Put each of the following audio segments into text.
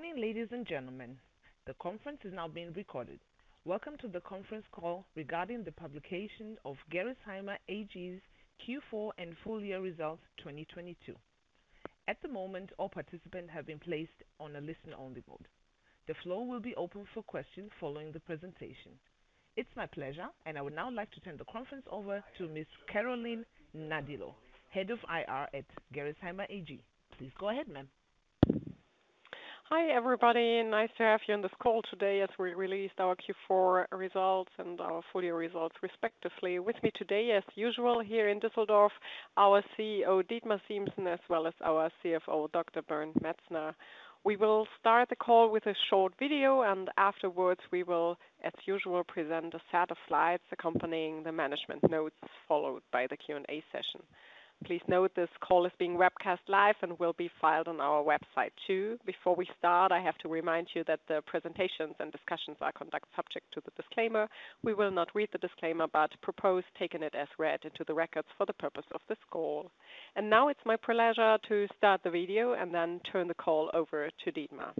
Good morning, ladies and gentlemen. The conference is now being recorded. Welcome to the conference call regarding the publication of Gerresheimer AG's Q4 and full year results 2022. At the moment, all participants have been placed on a listen-only mode. The floor will be open for questions following the presentation. It's my pleasure, I would now like to turn the conference over to Ms. Carolin Nadilo, Head of IR at Gerresheimer AG. Please go ahead, ma'am. Hi, everybody. Nice to have you on this call today as we released our Q4 results and our full year results respectively. With me today as usual here in Düsseldorf, our CEO, Dietmar Siemssen, as well as our CFO, Dr. Bernd Metzner. Afterwards, we will, as usual, present a set of slides accompanying the management notes followed by the Q&A session. Please note this call is being webcast live and will be filed on our website too. Before we start, I have to remind you that the presentations and discussions are conduct subject to the disclaimer. We will not read the disclaimer, propose taking it as read into the records for the purpose of this call. Now it's my pleasure to start the video and then turn the call over to Dietmar.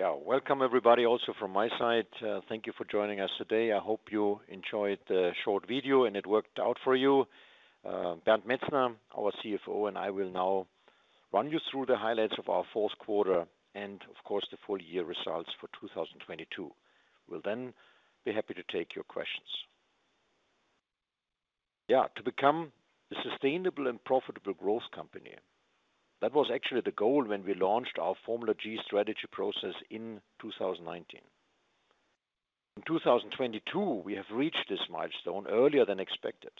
Welcome everybody also from my side. Thank you for joining us today. I hope you enjoyed the short video, and it worked out for you. Bernd Metzner, our CFO, and I will now run you through the highlights of our fourth quarter and of course the full year results for 2022. We'll then be happy to take your questions. To become a sustainable and profitable growth company, that was actually the goal when we launched our Formula G strategy process in 2019. In 2022, we have reached this milestone earlier than expected.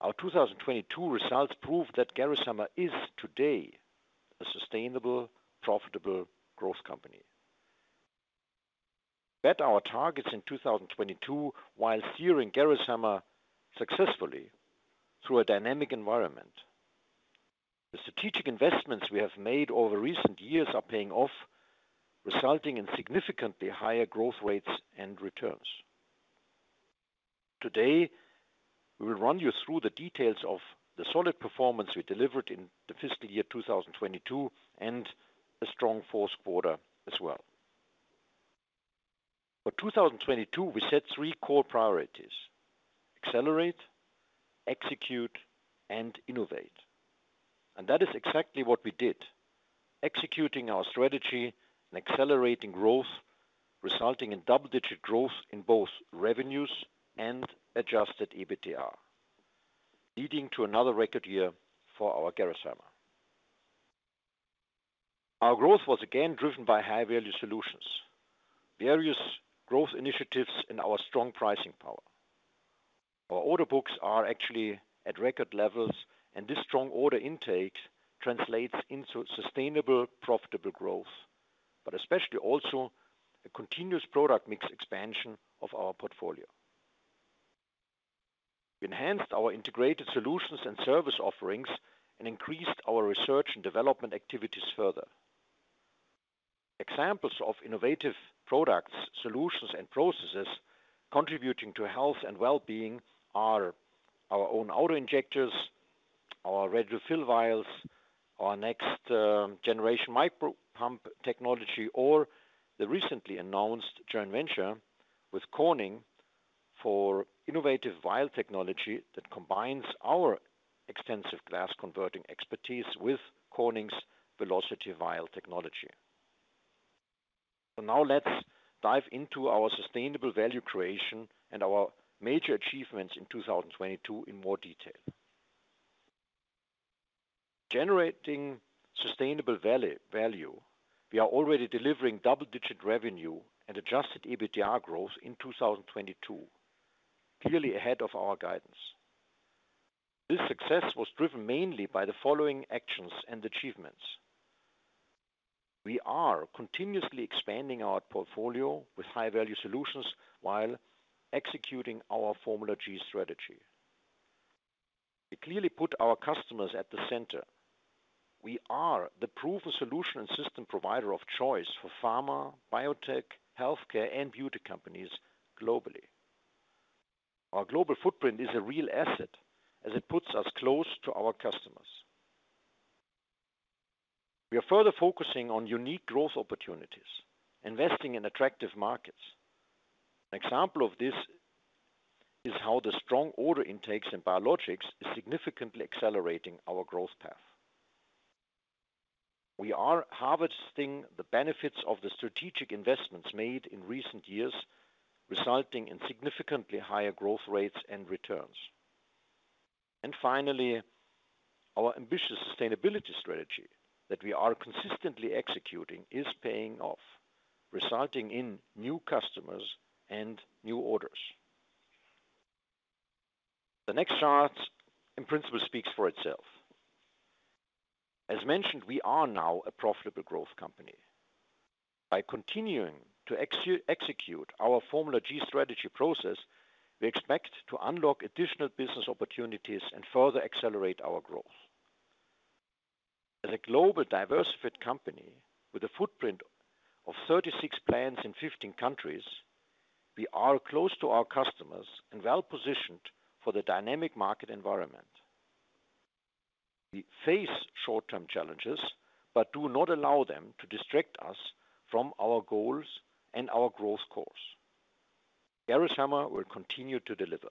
Our 2022 results prove that Gerresheimer is today a sustainable, profitable growth company. Met our targets in 2022 while steering Gerresheimer successfully through a dynamic environment. The strategic investments we have made over recent years are paying off, resulting in significantly higher growth rates and returns. Today, we will run you through the details of the solid performance we delivered in the fiscal year 2022 and a strong fourth quarter as well. For 2022, we set three core priorities: accelerate, execute, and innovate. That is exactly what we did, executing our strategy and accelerating growth, resulting in double-digit growth in both revenues and Adjusted EBITDA, leading to another record year for our Gerresheimer. Our growth was again driven by high-value solutions, various growth initiatives in our strong pricing power. Our order books are actually at record levels, and this strong order intake translates into sustainable, profitable growth, but especially also a continuous product mix expansion of our portfolio. Enhanced our integrated solutions and service offerings and increased our research and development activities further. Examples of innovative products, solutions, and processes contributing to health and well-being are our own auto-injectors, our Readi-Fill vials, our next generation micro pump technology, or the recently announced joint venture with Corning for innovative vial technology that combines our extensive glass converting expertise with Corning's Velocity vial technology. Now let's dive into our sustainable value creation and our major achievements in 2022 in more detail. Generating sustainable value, we are already delivering double-digit revenue and Adjusted EBITDA growth in 2022, clearly ahead of our guidance. This success was driven mainly by the following actions and achievements. We are continuously expanding our portfolio with high-value solutions while executing our Formula G strategy. We clearly put our customers at the center. We are the proven solution and system provider of choice for pharma, biotech, healthcare, and beauty companies globally. Our global footprint is a real asset as it puts us close to our customers. We are further focusing on unique growth opportunities, investing in attractive markets. An example of this is how the strong order intakes in biologics is significantly accelerating our growth path. We are harvesting the benefits of the strategic investments made in recent years, resulting in significantly higher growth rates and returns. Finally, our ambitious sustainability strategy that we are consistently executing is paying off, resulting in new customers and new orders. The next chart in principle speaks for itself. As mentioned, we are now a profitable growth company. By continuing to execute our Formula G strategy process, we expect to unlock additional business opportunities and further accelerate our growth. As a global diversified company with a footprint of 36 plants in 15 countries, we are close to our customers and well-positioned for the dynamic market environment. We face short-term challenges but do not allow them to distract us from our goals and our growth course. Gerresheimer will continue to deliver.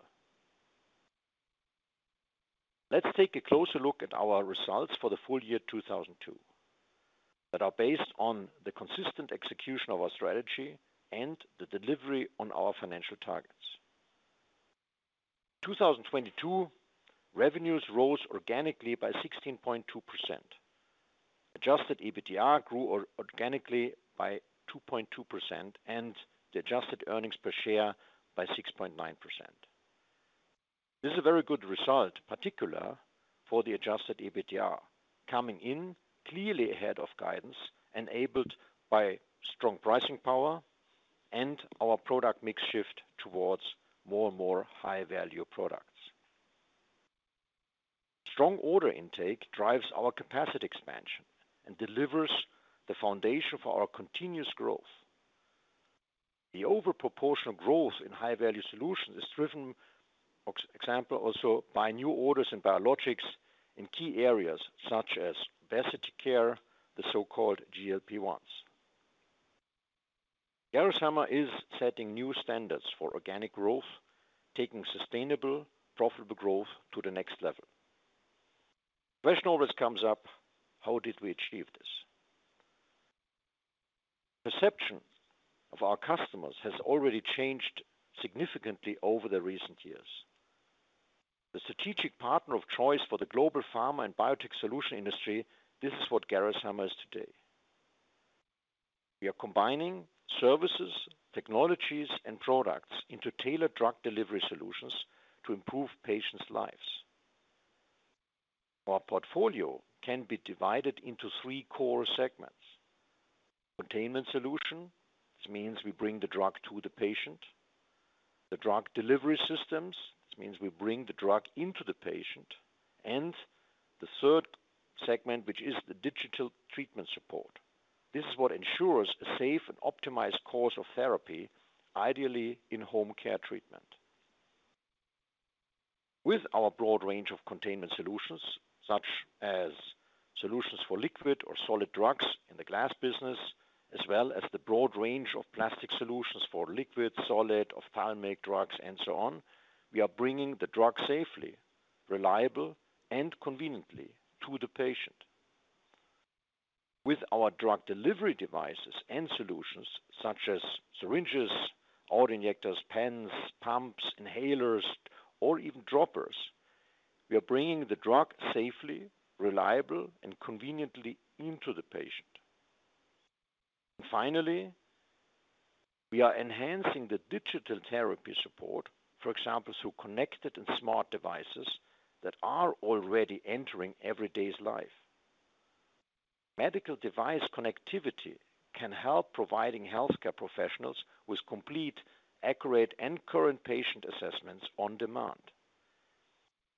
Let's take a closer look at our results for the full year 2002, that are based on the consistent execution of our strategy and the delivery on our financial targets. 2022, revenues rose organically by 16.2%. Adjusted EBITDA grew organically by 2.2% and the adjusted earnings per share by 6.9%. This is a very good result, particular for the Adjusted EBITDA, coming in clearly ahead of guidance enabled by strong pricing power and our product mix shift towards more and more high-value products. Strong order intake drives our capacity expansion and delivers the foundation for our continuous growth. The overproportional growth in high-value solutions is driven ex-example also by new orders in biologics in key areas such as obesity care, the so-called GLP-1s. Gerresheimer is setting new standards for organic growth, taking sustainable, profitable growth to the next level. Question always comes up: How did we achieve this? Perception of our customers has already changed significantly over the recent years. The strategic partner of choice for the global pharma and biotech solution industry, this is what Gerresheimer is today. We are combining services, technologies, and products into tailored drug delivery solutions to improve patients' lives. Our portfolio can be divided into three core segments. Containment solution, which means we bring the drug to the patient. The drug delivery systems, this means we bring the drug into the patient. The third segment, which is the digital treatment support. This is what ensures a safe and optimized course of therapy, ideally in home care treatment. With our broad range of containment solutions, such as solutions for liquid or solid drugs in the glass business, as well as the broad range of plastic solutions for liquid, solid, ophthalmic drugs, and so on, we are bringing the drug safely, reliable, and conveniently to the patient. With our drug delivery devices and solutions, such as syringes, auto-injectors, pens, pumps, inhalers, or even droppers, we are bringing the drug safely, reliable, and conveniently into the patient. Finally, we are enhancing the digital therapy support, for example, through connected and smart devices that are already entering every day's life. Medical device connectivity can help providing healthcare professionals with complete, accurate, and current patient assessments on demand.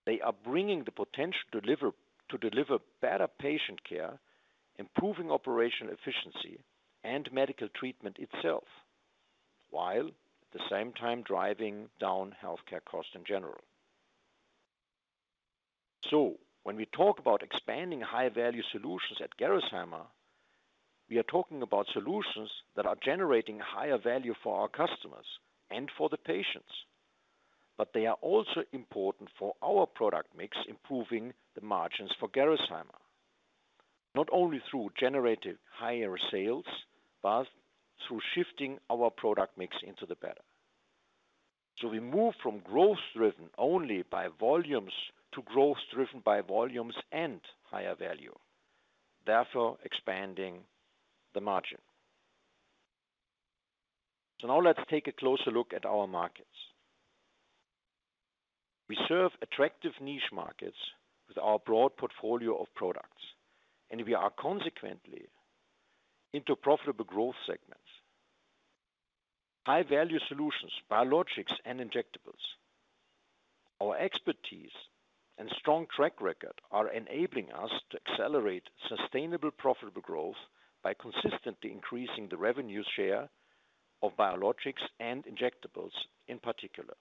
They are bringing the potential to deliver better patient care, improving operation efficiency and medical treatment itself, while at the same time driving down healthcare costs in general. When we talk about expanding high-value solutions at Gerresheimer, we are talking about solutions that are generating higher value for our customers and for the patients. They are also important for our product mix, improving the margins for Gerresheimer, not only through generating higher sales, but through shifting our product mix into the better. We move from growth driven only by volumes to growth driven by volumes and higher value, therefore expanding the margin. Now let's take a closer look at our markets. We serve attractive niche markets with our broad portfolio of products, and we are consequently into profitable growth segments. High-value solutions, biologics and injectables. Our expertise and strong track record are enabling us to accelerate sustainable, profitable growth by consistently increasing the revenue share of biologics and injectables in particular.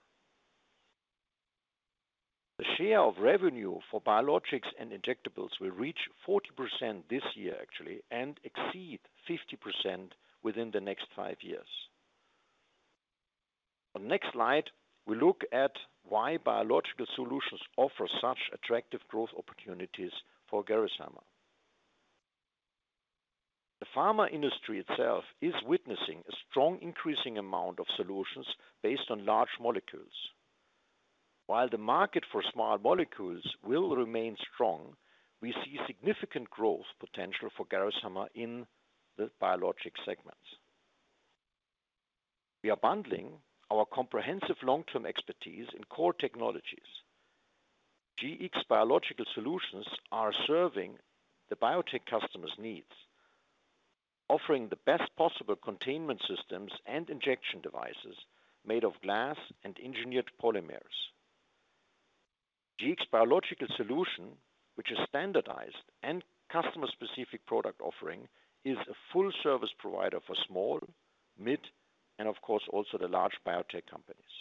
The share of revenue for biologics and injectables will reach 40% this year actually and exceed 50% within the next five years. On next slide, we look at why biological solutions offer such attractive growth opportunities for Gerresheimer. The pharma industry itself is witnessing a strong increasing amount of solutions based on large molecules. While the market for small molecules will remain strong, we see significant growth potential for Gerresheimer in the biologic segments. We are bundling our comprehensive long-term expertise in core technologies. Gx Biological Solutions are serving the biotech customers' needs, offering the best possible containment systems and injection devices made of glass and engineered polymers. Gx Biological Solution, which is standardized and customer-specific product offering, is a full service provider for small, mid, and of course, also the large biotech companies.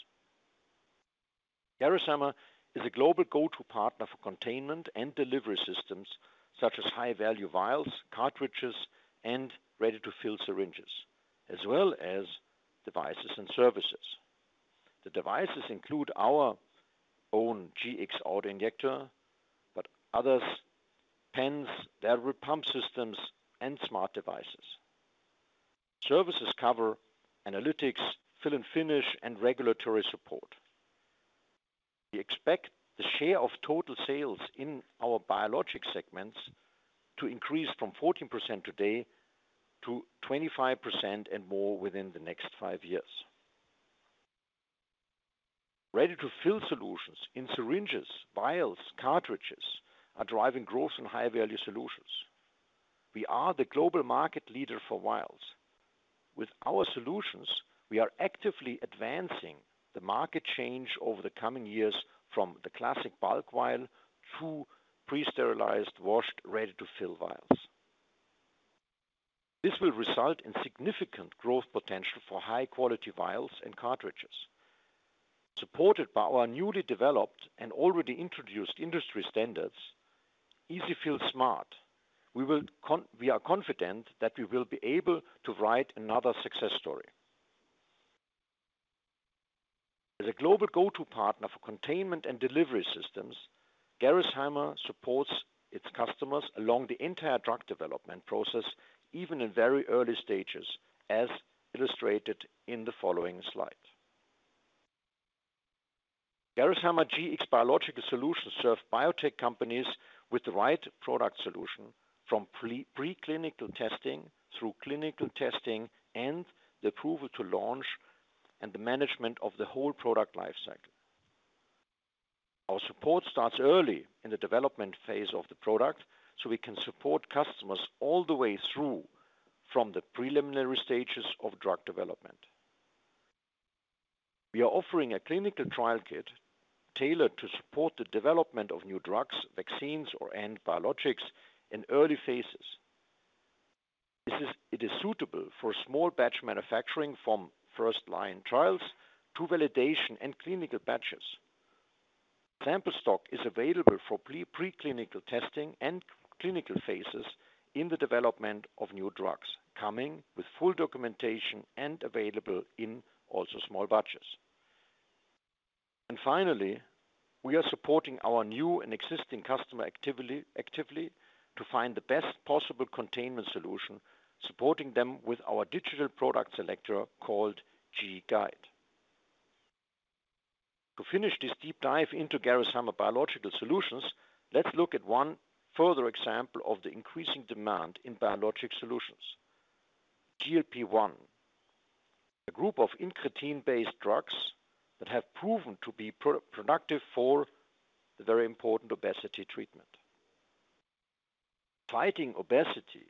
Gerresheimer is a global go-to partner for containment and delivery systems, such as high-value vials, cartridges, and ready-to-fill syringes, as well as devices and services. The devices include our own GX auto-injector, but others, pens, dial pump systems, and smart devices. Services cover analytics, fill and finish, and regulatory support. We expect the share of total sales in our biologic segments to increase from 14% today to 25% and more within the next five years. Ready-to-fill solutions in syringes, vials, cartridges, are driving growth in high-value solutions. We are the global market leader for vials. With our solutions, we are actively advancing the market change over the coming years from the classic bulk vial to pre-sterilized, washed, ready-to-fill vials. This will result in significant growth potential for high-quality vials and cartridges. Supported by our newly developed and already introduced industry standards, EZ-fill Smart, we are confident that we will be able to write another success story. As a global go-to partner for containment and delivery systems, Gerresheimer supports its customers along the entire drug development process, even in very early stages, as illustrated in the following slide. Gerresheimer Gx Biological Solutions serve biotech companies with the right product solution from preclinical testing through clinical testing and the approval to launch and the management of the whole product life cycle. Our support starts early in the development phase of the product, so we can support customers all the way through from the preliminary stages of drug development. We are offering a clinical trial kit tailored to support the development of new drugs, vaccines, and biologics in early phases. It is suitable for small batch manufacturing from first-line trials to validation and clinical batches. Sample stock is available for preclinical testing and clinical phases in the development of new drugs, coming with full documentation and available in also small batches. Finally, we are supporting our new and existing customer actively to find the best possible containment solution, supporting them with our digital product selector called Gx G-Guide. To finish this deep dive into Gx Biological Solutions, let's look at one further example of the increasing demand in biologic solutions. GLP-1, a group of incretin-based drugs that have proven to be productive for the very important obesity treatment. Fighting obesity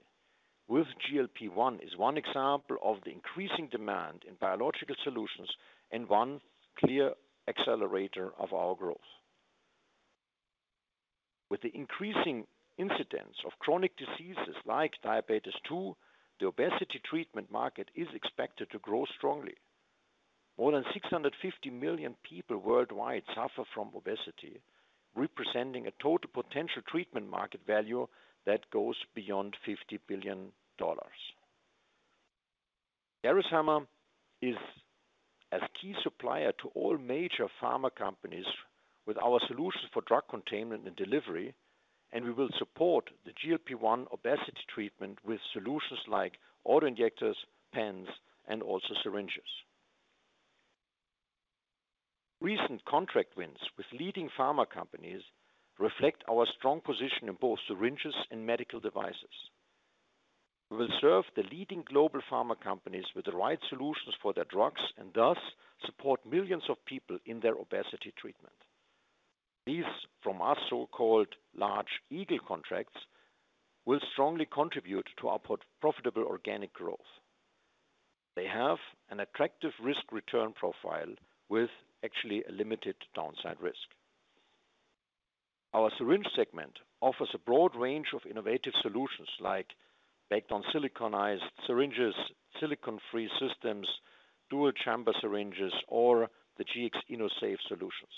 with GLP-1 is one example of the increasing demand in biological solutions and one clear accelerator of our growth. With the increasing incidence of chronic diseases like diabetes 2, the obesity treatment market is expected to grow strongly. More than 650 million people worldwide suffer from obesity, representing a total potential treatment market value that goes beyond $50 billion. Gerresheimer is as key supplier to all major pharma companies with our solutions for drug containment and delivery. We will support the GLP-1 obesity treatment with solutions like auto-injectors, pens, and also syringes. Recent contract wins with leading pharma companies reflect our strong position in both syringes and medical devices. We will serve the leading global pharma companies with the right solutions for their drugs and thus support millions of people in their obesity treatment. These from our so-called large Eagle contracts will strongly contribute to our pro-profitable organic growth. They have an attractive risk-return profile with actually a limited downside risk. Our syringe segment offers a broad range of innovative solutions like baked-on siliconized syringes, silicon-free systems, dual chamber syringes or the Gx InnoSafe solutions.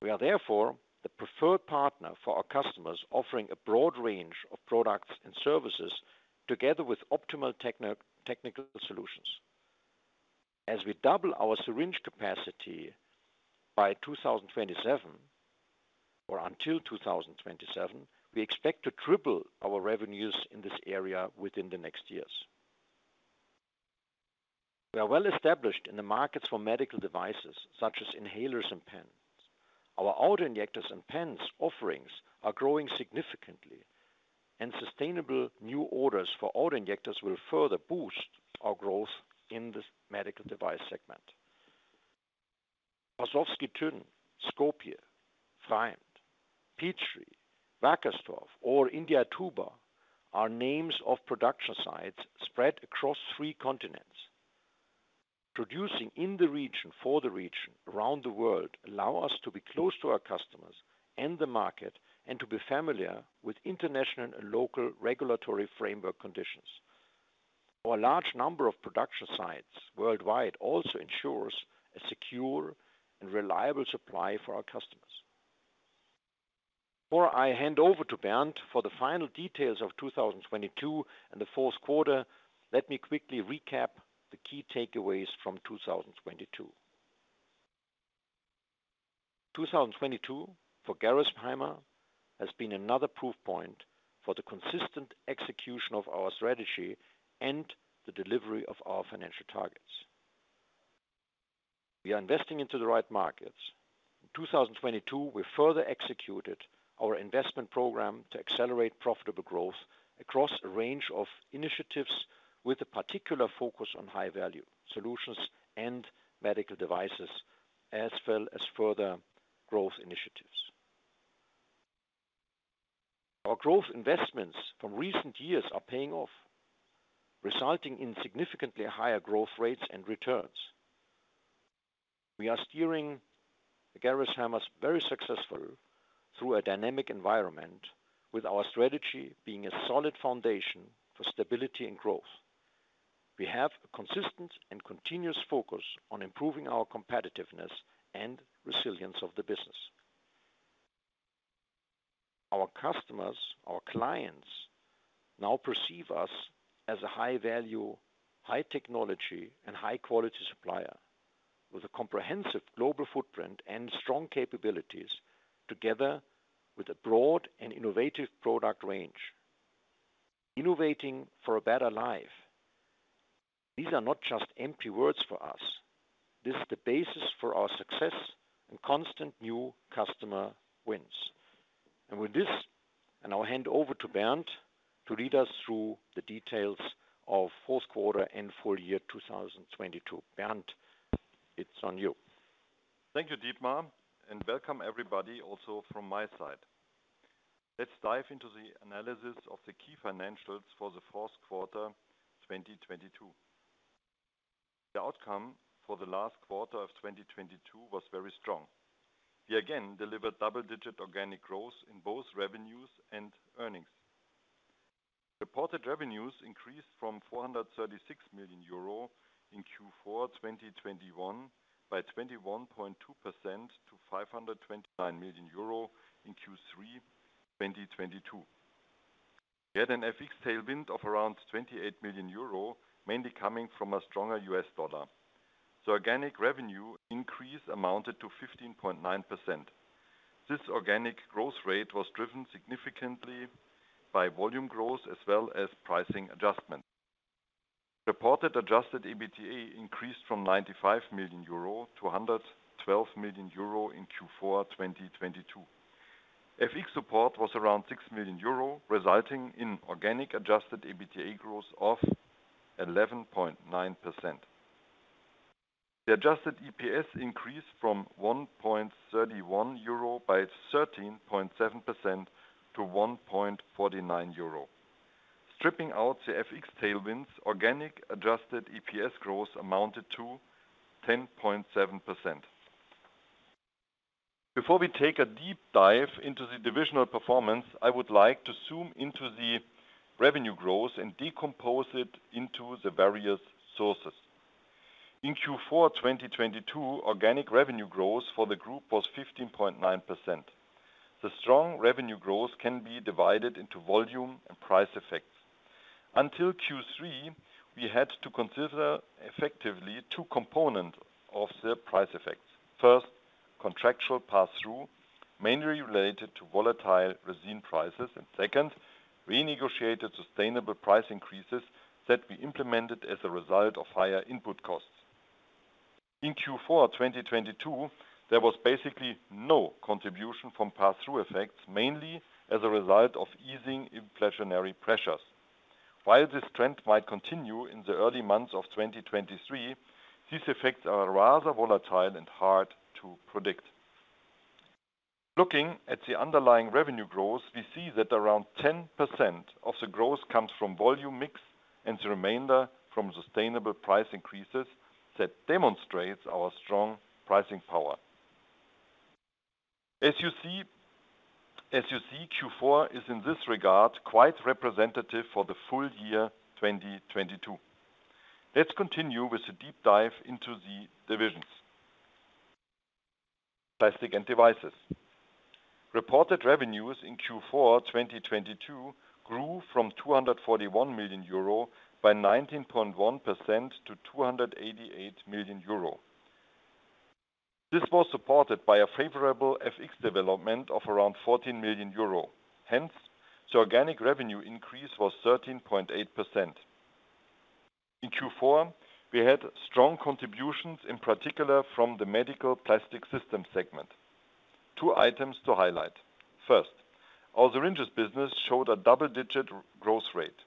We are therefore the preferred partner for our customers, offering a broad range of products and services together with optimal techno-technical solutions. As we double our syringe capacity by 2027 or until 2027, we expect to triple our revenues in this area within the next years. We are well established in the markets for medical devices such as inhalers and pens. Our auto-injectors and pens offerings are growing significantly, sustainable new orders for auto-injectors will further boost our growth in this medical device segment. Boleslawiec, Skopje, Pfreimd, Petrie, Wackersdorf or Indaiatuba are names of production sites spread across three continents. Producing in the region for the region around the world allow us to be close to our customers and the market, and to be familiar with international and local regulatory framework conditions. Our large number of production sites worldwide also ensures a secure and reliable supply for our customers. Before I hand over to Bernd for the final details of 2022 and the 4th quarter, let me quickly recap the key takeaways from 2022. 2022 for Gerresheimer has been another proof point for the consistent execution of our strategy and the delivery of our financial targets. We are investing into the right markets. In 2022, we further executed our investment program to accelerate profitable growth across a range of initiatives with a particular focus on high-value solutions and medical devices, as well as further growth initiatives. Our growth investments from recent years are paying off, resulting in significantly higher growth rates and returns. We are steering the Gerresheimer very successfully through a dynamic environment with our strategy being a solid foundation for stability and growth. We have a consistent and continuous focus on improving our competitiveness and resilience of the business. Our customers, our clients now perceive us as a high-value, high-technology and high-quality supplier with a comprehensive global footprint and strong capabilities together with a broad and innovative product range. Innovating for a better life, these are not just empty words for us. This is the basis for our success and constant new customer wins. With this, and I'll hand over to Bernd to lead us through the details of fourth quarter and full year 2022. Bernd, it's on you. Thank you, Dietmar. Welcome everybody also from my side. Let's dive into the analysis of the key financials for the fourth quarter, 2022. The outcome for the last quarter of 2022 was very strong. We again delivered double-digit organic growth in both revenues and earnings. Reported revenues increased from 436 million euro in Q4 2021 by 21.2% to 529 million euro in Q3 2022. We had an FX tailwind of around 28 million euro, mainly coming from a stronger US dollar. Organic revenue increase amounted to 15.9%. This organic growth rate was driven significantly by volume growth as well as pricing adjustments. Reported Adjusted EBITDA increased from 95 million euro to 112 million euro in Q4 2022. FX support was around 6 million euro, resulting in organic Adjusted EBITDA growth of 11.9%. The adjusted EPS increased from 1.31 euro by 13.7% to 1.49 euro. Stripping out the FX tailwinds, organic adjusted EPS growth amounted to 10.7%. Before we take a deep dive into the divisional performance, I would like to zoom into the revenue growth and decompose it into the various sources. In Q4 2022, organic revenue growth for the group was 15.9%. The strong revenue growth can be divided into volume and price effects. Until Q3, we had to consider effectively two components of the price effects. First, contractual passthrough, mainly related to volatile resin prices. Second, renegotiated sustainable price increases that we implemented as a result of higher input costs. In Q4 2022, there was basically no contribution from passthrough effects, mainly as a result of easing inflationary pressures. While this trend might continue in the early months of 2023, these effects are rather volatile and hard to predict. Looking at the underlying revenue growth, we see that around 10% of the growth comes from volume mix and the remainder from sustainable price increases that demonstrates our strong pricing power. As you see, Q4 is in this regard, quite representative for the full year 2022. Let's continue with a deep dive into the divisions. Plastics and Devices. Reported revenues in Q4 2022 grew from 241 million euro by 19.1% to 288 million euro. This was supported by a favorable FX development of around 14 million euro. The organic revenue increase was 13.8%. In Q4, we had strong contributions, in particular from the medical plastic system segment. Two items to highlight. First, our syringes business showed a double-digit growth rate.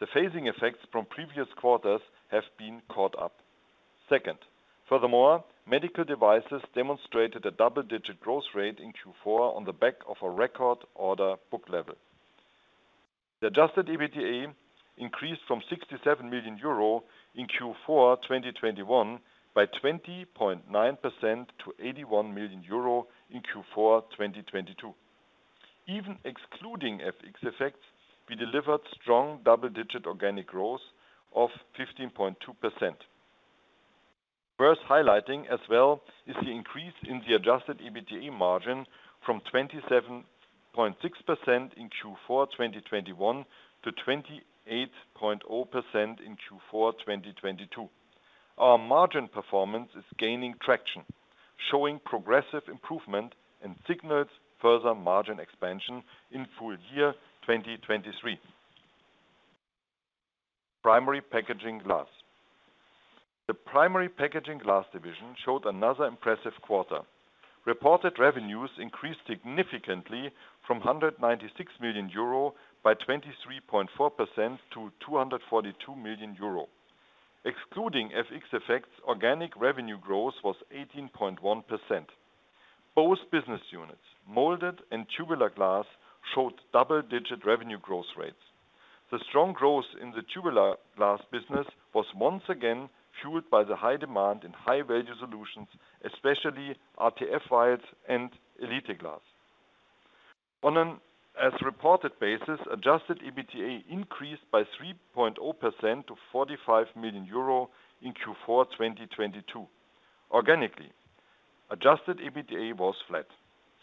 The phasing effects from previous quarters have been caught up. Second, medical devices demonstrated a double-digit growth rate in Q4 on the back of a record order book level. The Adjusted EBITDA increased from 67 million euro in Q4 2021 by 20.9% to 81 million euro in Q4 2022. Even excluding FX effects, we delivered strong double-digit organic growth of 15.2%. Worth highlighting as well is the increase in the Adjusted EBITDA margin from 27.6% in Q4 2021 to 28.0% in Q4 2022. Our margin performance is gaining traction, showing progressive improvement and signals further margin expansion in full year 2023. Primary Packaging Glass. The Primary Packaging Glass division showed another impressive quarter. Reported revenues increased significantly from 196 million euro by 23.4% to 242 million euro. Excluding FX effects, organic revenue growth was 18.1%. Both business units, molded and tubular glass, showed double-digit revenue growth rates. The strong growth in the tubular glass business was once again fueled by the high demand in high-value solutions, especially RTF vials and Elite glass. On an as-reported basis, Adjusted EBITDA increased by 3.0% to 45 million euro in Q4 2022. Organically, Adjusted EBITDA was flat.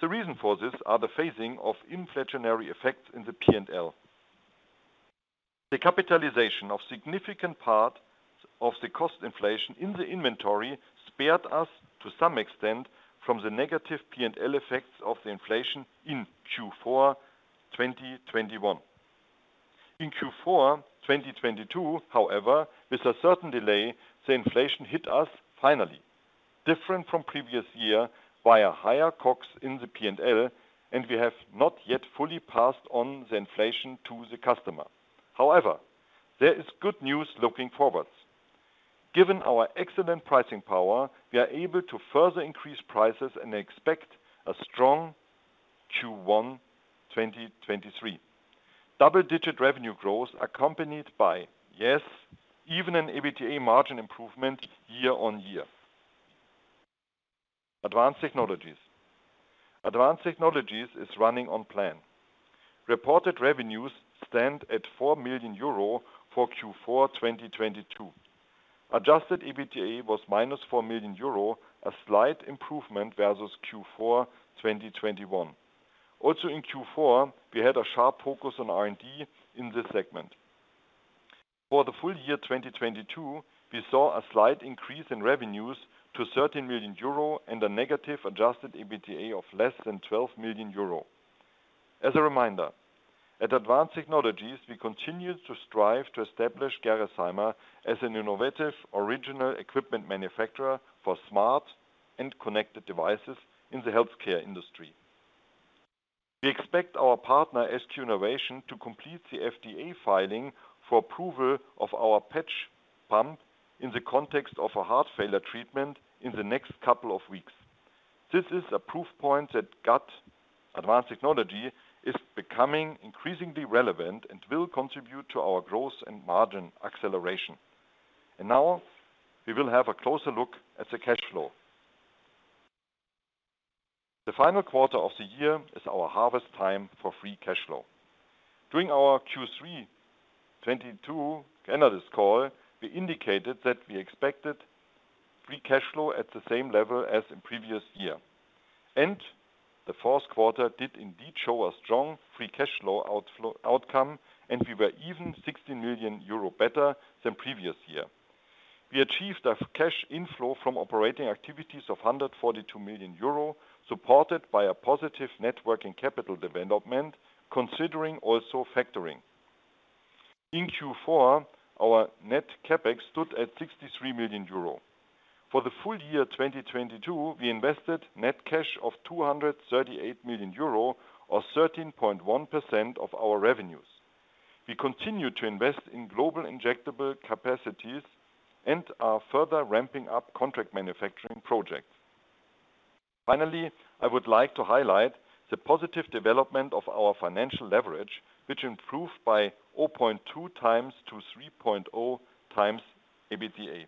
The reason for this are the phasing of inflationary effects in the P&L. The capitalization of significant part of the cost inflation in the inventory spared us to some extent from the negative P&L effects of the inflation in Q4 2021. In Q4 2022, however, with a certain delay, the inflation hit us finally, different from previous year, via higher COGS in the P&L, and we have not yet fully passed on the inflation to the customer. However, there is good news looking forward. Given our excellent pricing power, we are able to further increase prices and expect a strong Q1 2023. Double-digit revenue growth accompanied by, yes, even an EBITDA margin improvement year-over-year. Advanced Technologies. Advanced Technologies is running on plan. Reported revenues stand at 4 million euro for Q4 2022. Adjusted EBITDA was minus 4 million euro, a slight improvement versus Q4 2021. Also in Q4, we had a sharp focus on R&D in this segment. For the full year 2022, we saw a slight increase in revenues to 13 million euro and a negative Adjusted EBITDA of less than 12 million euro. As a reminder, at Advanced Technologies, we continue to strive to establish Gerresheimer as an innovative original equipment manufacturer for smart and connected devices in the healthcare industry. We expect our partner, SQ Innovation, to complete the FDA filing for approval of our patch pump in the context of a heart failure treatment in the next couple of weeks. This is a proof point that Got Advanced Technology is becoming increasingly relevant and will contribute to our growth and margin acceleration. Now we will have a closer look at the cash flow. The final quarter of the year is our harvest time for free cash flow. During our Q3 2022 analyst call, we indicated that we expected free cash flow at the same level as in previous year. The fourth quarter did indeed show a strong free cash flow outflow outcome, and we were even 60 million euro better than previous year. We achieved a cash inflow from operating activities of 142 million euro, supported by a positive net working capital development, considering also factoring. In Q4, our net CapEx stood at 63 million euro. For the full year 2022, we invested net cash of 238 million euro or 13.1% of our revenues. We continue to invest in global injectable capacities and are further ramping up contract manufacturing projects. I would like to highlight the positive development of our financial leverage, which improved by 0.2x to 3.0x EBITDA.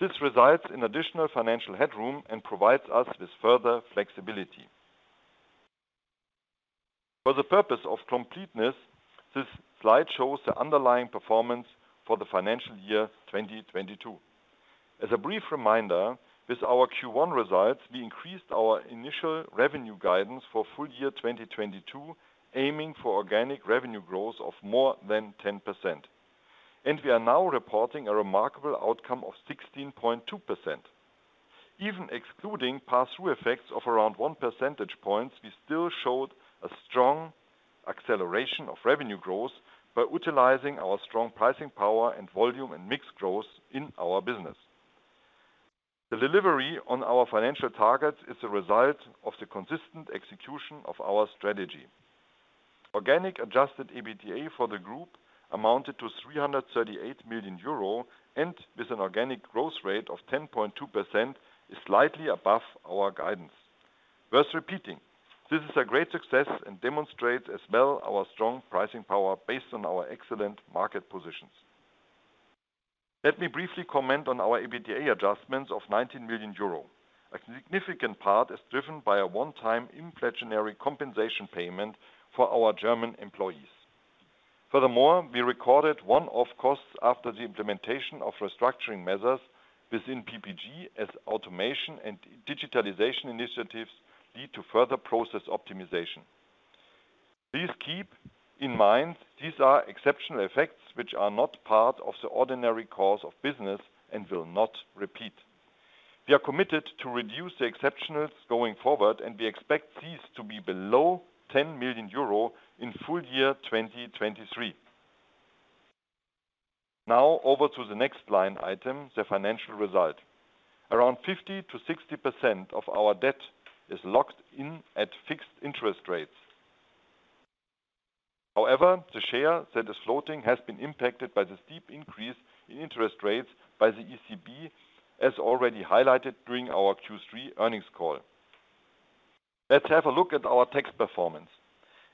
This results in additional financial headroom and provides us with further flexibility. For the purpose of completeness, this slide shows the underlying performance for the financial year 2022. As a brief reminder, with our Q1 results, we increased our initial revenue guidance for full year 2022, aiming for organic revenue growth of more than 10%. We are now reporting a remarkable outcome of 16.2%. Even excluding passthrough effects of around 1 percentage points, we still showed a strong acceleration of revenue growth by utilizing our strong pricing power and volume and mix growth in our business. The delivery on our financial targets is a result of the consistent execution of our strategy. Organic Adjusted EBITDA for the group amounted to 338 million euro, with an organic growth rate of 10.2% is slightly above our guidance. Worth repeating, this is a great success and demonstrates as well our strong pricing power based on our excellent market positions. Let me briefly comment on our EBITDA adjustments of 19 million euro. A significant part is driven by a one-time inflationary compensation payment for our German employees. Furthermore, we recorded one-off costs after the implementation of restructuring measures within PPG as automation and digitalization initiatives lead to further process optimization. Please keep in mind, these are exceptional effects which are not part of the ordinary course of business and will not repeat. We are committed to reduce the exceptionals going forward, and we expect these to be below 10 million euro in full year 2023. Now over to the next line item, the financial result. Around 50%-60% of our debt is locked in at fixed interest rates. However, the share that is floating has been impacted by the steep increase in interest rates by the ECB, as already highlighted during our Q3 earnings call. Let's have a look at our tax performance.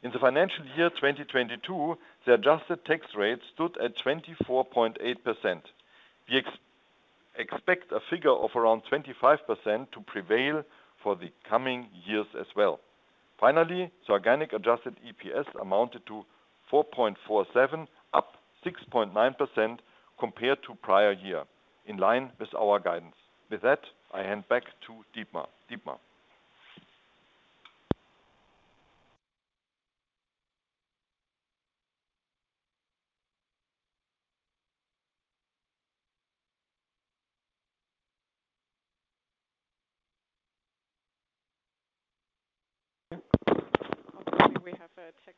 In the financial year 2022, the adjusted tax rate stood at 24.8%. We expect a figure of around 25% to prevail for the coming years as well. Finally, the organic adjusted EPS amounted to 4.47, up 6.9% compared to prior year, in line with our guidance. With that, I hand back to Dietmar. We have a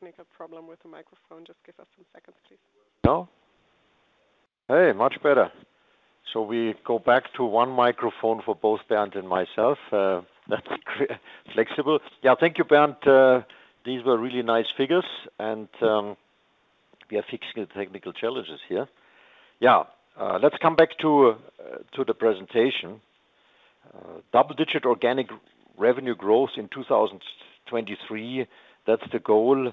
technical problem with the microphone. Just give us some seconds, please. Now? Hey, much better. We go back to one microphone for both Bernd and myself. That's flexible. Yeah, thank you, Bernd. These were really nice figures and we are fixing the technical challenges here. Yeah, let's come back to the presentation. Double-digit organic revenue growth in 2023, that's the goal,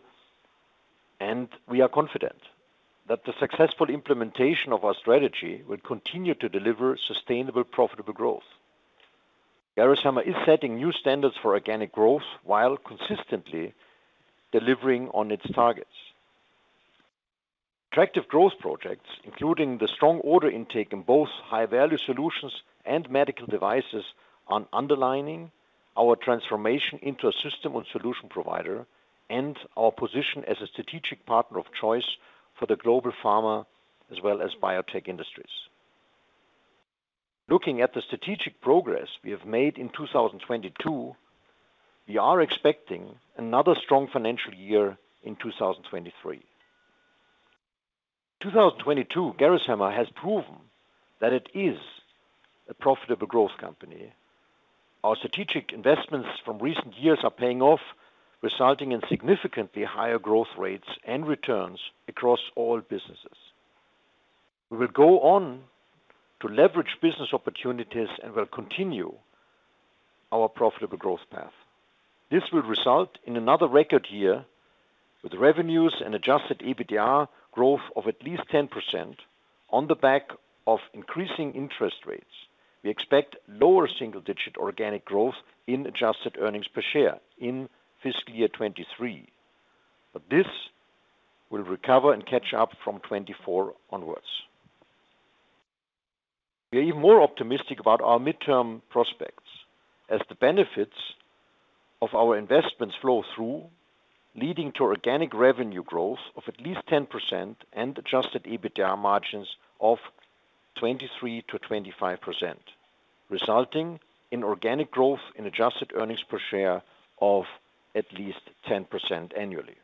and we are confident that the successful implementation of our strategy will continue to deliver sustainable, profitable growth. Gerresheimer is setting new standards for organic growth while consistently delivering on its targets. Attractive growth projects, including the strong order intake in both high-value solutions and medical devices, are underlining our transformation into a system and solution provider and our position as a strategic partner of choice for the global pharma as well as biotech industries. Looking at the strategic progress we have made in 2022, we are expecting another strong financial year in 2023. 2022, Gerresheimer has proven that it is a profitable growth company. Our strategic investments from recent years are paying off, resulting in significantly higher growth rates and returns across all businesses. We will go on to leverage business opportunities and will continue our profitable growth path. This will result in another record year. With revenues and Adjusted EBITDA growth of at least 10% on the back of increasing interest rates, we expect lower single digit organic growth in adjusted earnings per share in fiscal year 2023. This will recover and catch up from 2024 onwards. We are even more optimistic about our midterm prospects as the benefits of our investments flow through, leading to organic revenue growth of at least 10% and Adjusted EBITDA margins of 23%-25%, resulting in organic growth in adjusted earnings per share of at least 10% annually.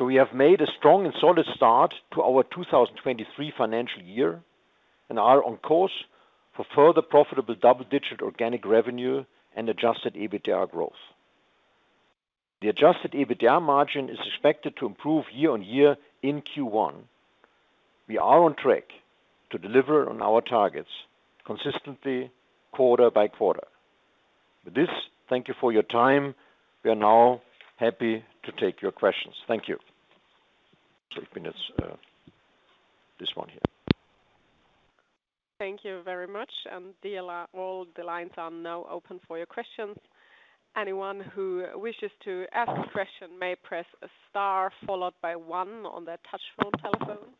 We have made a strong and solid start to our 2023 financial year and are on course for further profitable double-digit organic revenue and Adjusted EBITDA growth. The Adjusted EBITDA margin is expected to improve year-over-year in Q1. We are on track to deliver on our targets consistently quarter-by-quarter. With this, thank you for your time. We are now happy to take your questions. Thank you. If we just, this one here. Thank you very much. All the lines are now open for your questions. Anyone who wishes to ask a question may press Star followed by one on their touch phone telephone.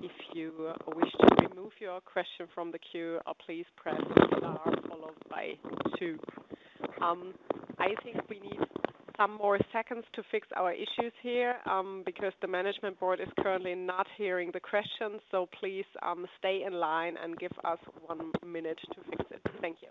If you wish to remove your question from the queue, please press Star followed by two. I think we need some more seconds to fix our issues here, because the management board is currently not hearing the questions. Please stay in line and give us one minute to fix it. Thank you.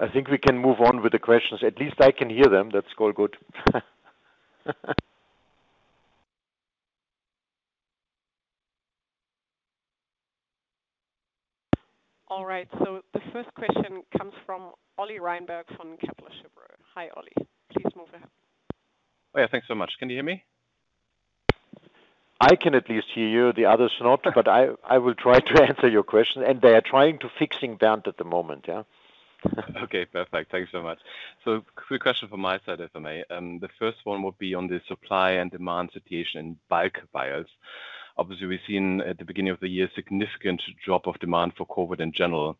I think we can move on with the questions. At least I can hear them. That's all good. All right. The first question comes from Oliver Reinberg from Kepler Cheuvreux. Hi, Oliver. Please move ahead. Oh, yeah, thanks so much. Can you hear me? I can at least hear you. The others not, I will try to answer your question. They are trying to fixing Bernd at the moment. Okay, perfect. Thank you so much. Quick question from my side, if I may. The first one would be on the supply and demand situation in bulk vials. Obviously, we've seen at the beginning of the year a significant drop of demand for COVID in general,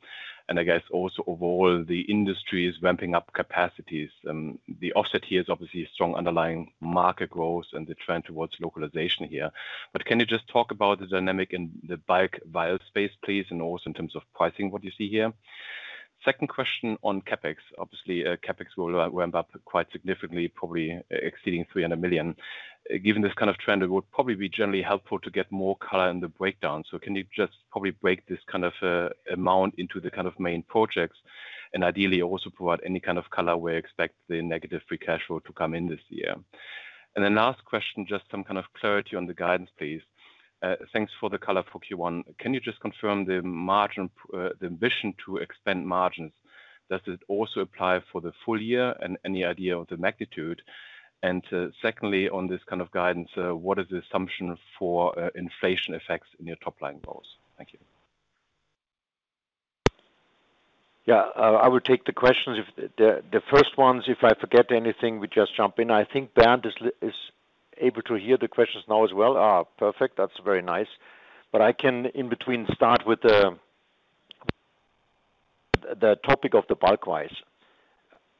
and I guess also overall the industry is ramping up capacities. The offset here is obviously a strong underlying market growth and the trend towards localization here. Can you just talk about the dynamic in the bulk vial space, please, and also in terms of pricing, what you see here? Second question on CapEx. Obviously, CapEx will ramp up quite significantly, probably exceeding 300 million. Given this kind of trend, it would probably be generally helpful to get more color in the breakdown. Can you just probably break this kind of amount into the kind of main projects and ideally also provide any kind of color where you expect the negative free cash flow to come in this year? Last question, just some kind of clarity on the guidance, please. Thanks for the color for Q1. Can you just confirm the ambition to expand margins? Does it also apply for the full year and any idea of the magnitude? Secondly, on this kind of guidance, what is the assumption for inflation effects in your top-line goals? Thank you. Yeah. I will take the questions. If the first ones, if I forget anything, we just jump in. I think Bernd is able to hear the questions now as well. Perfect. That's very nice. I can in between start with the topic of the bulk wise.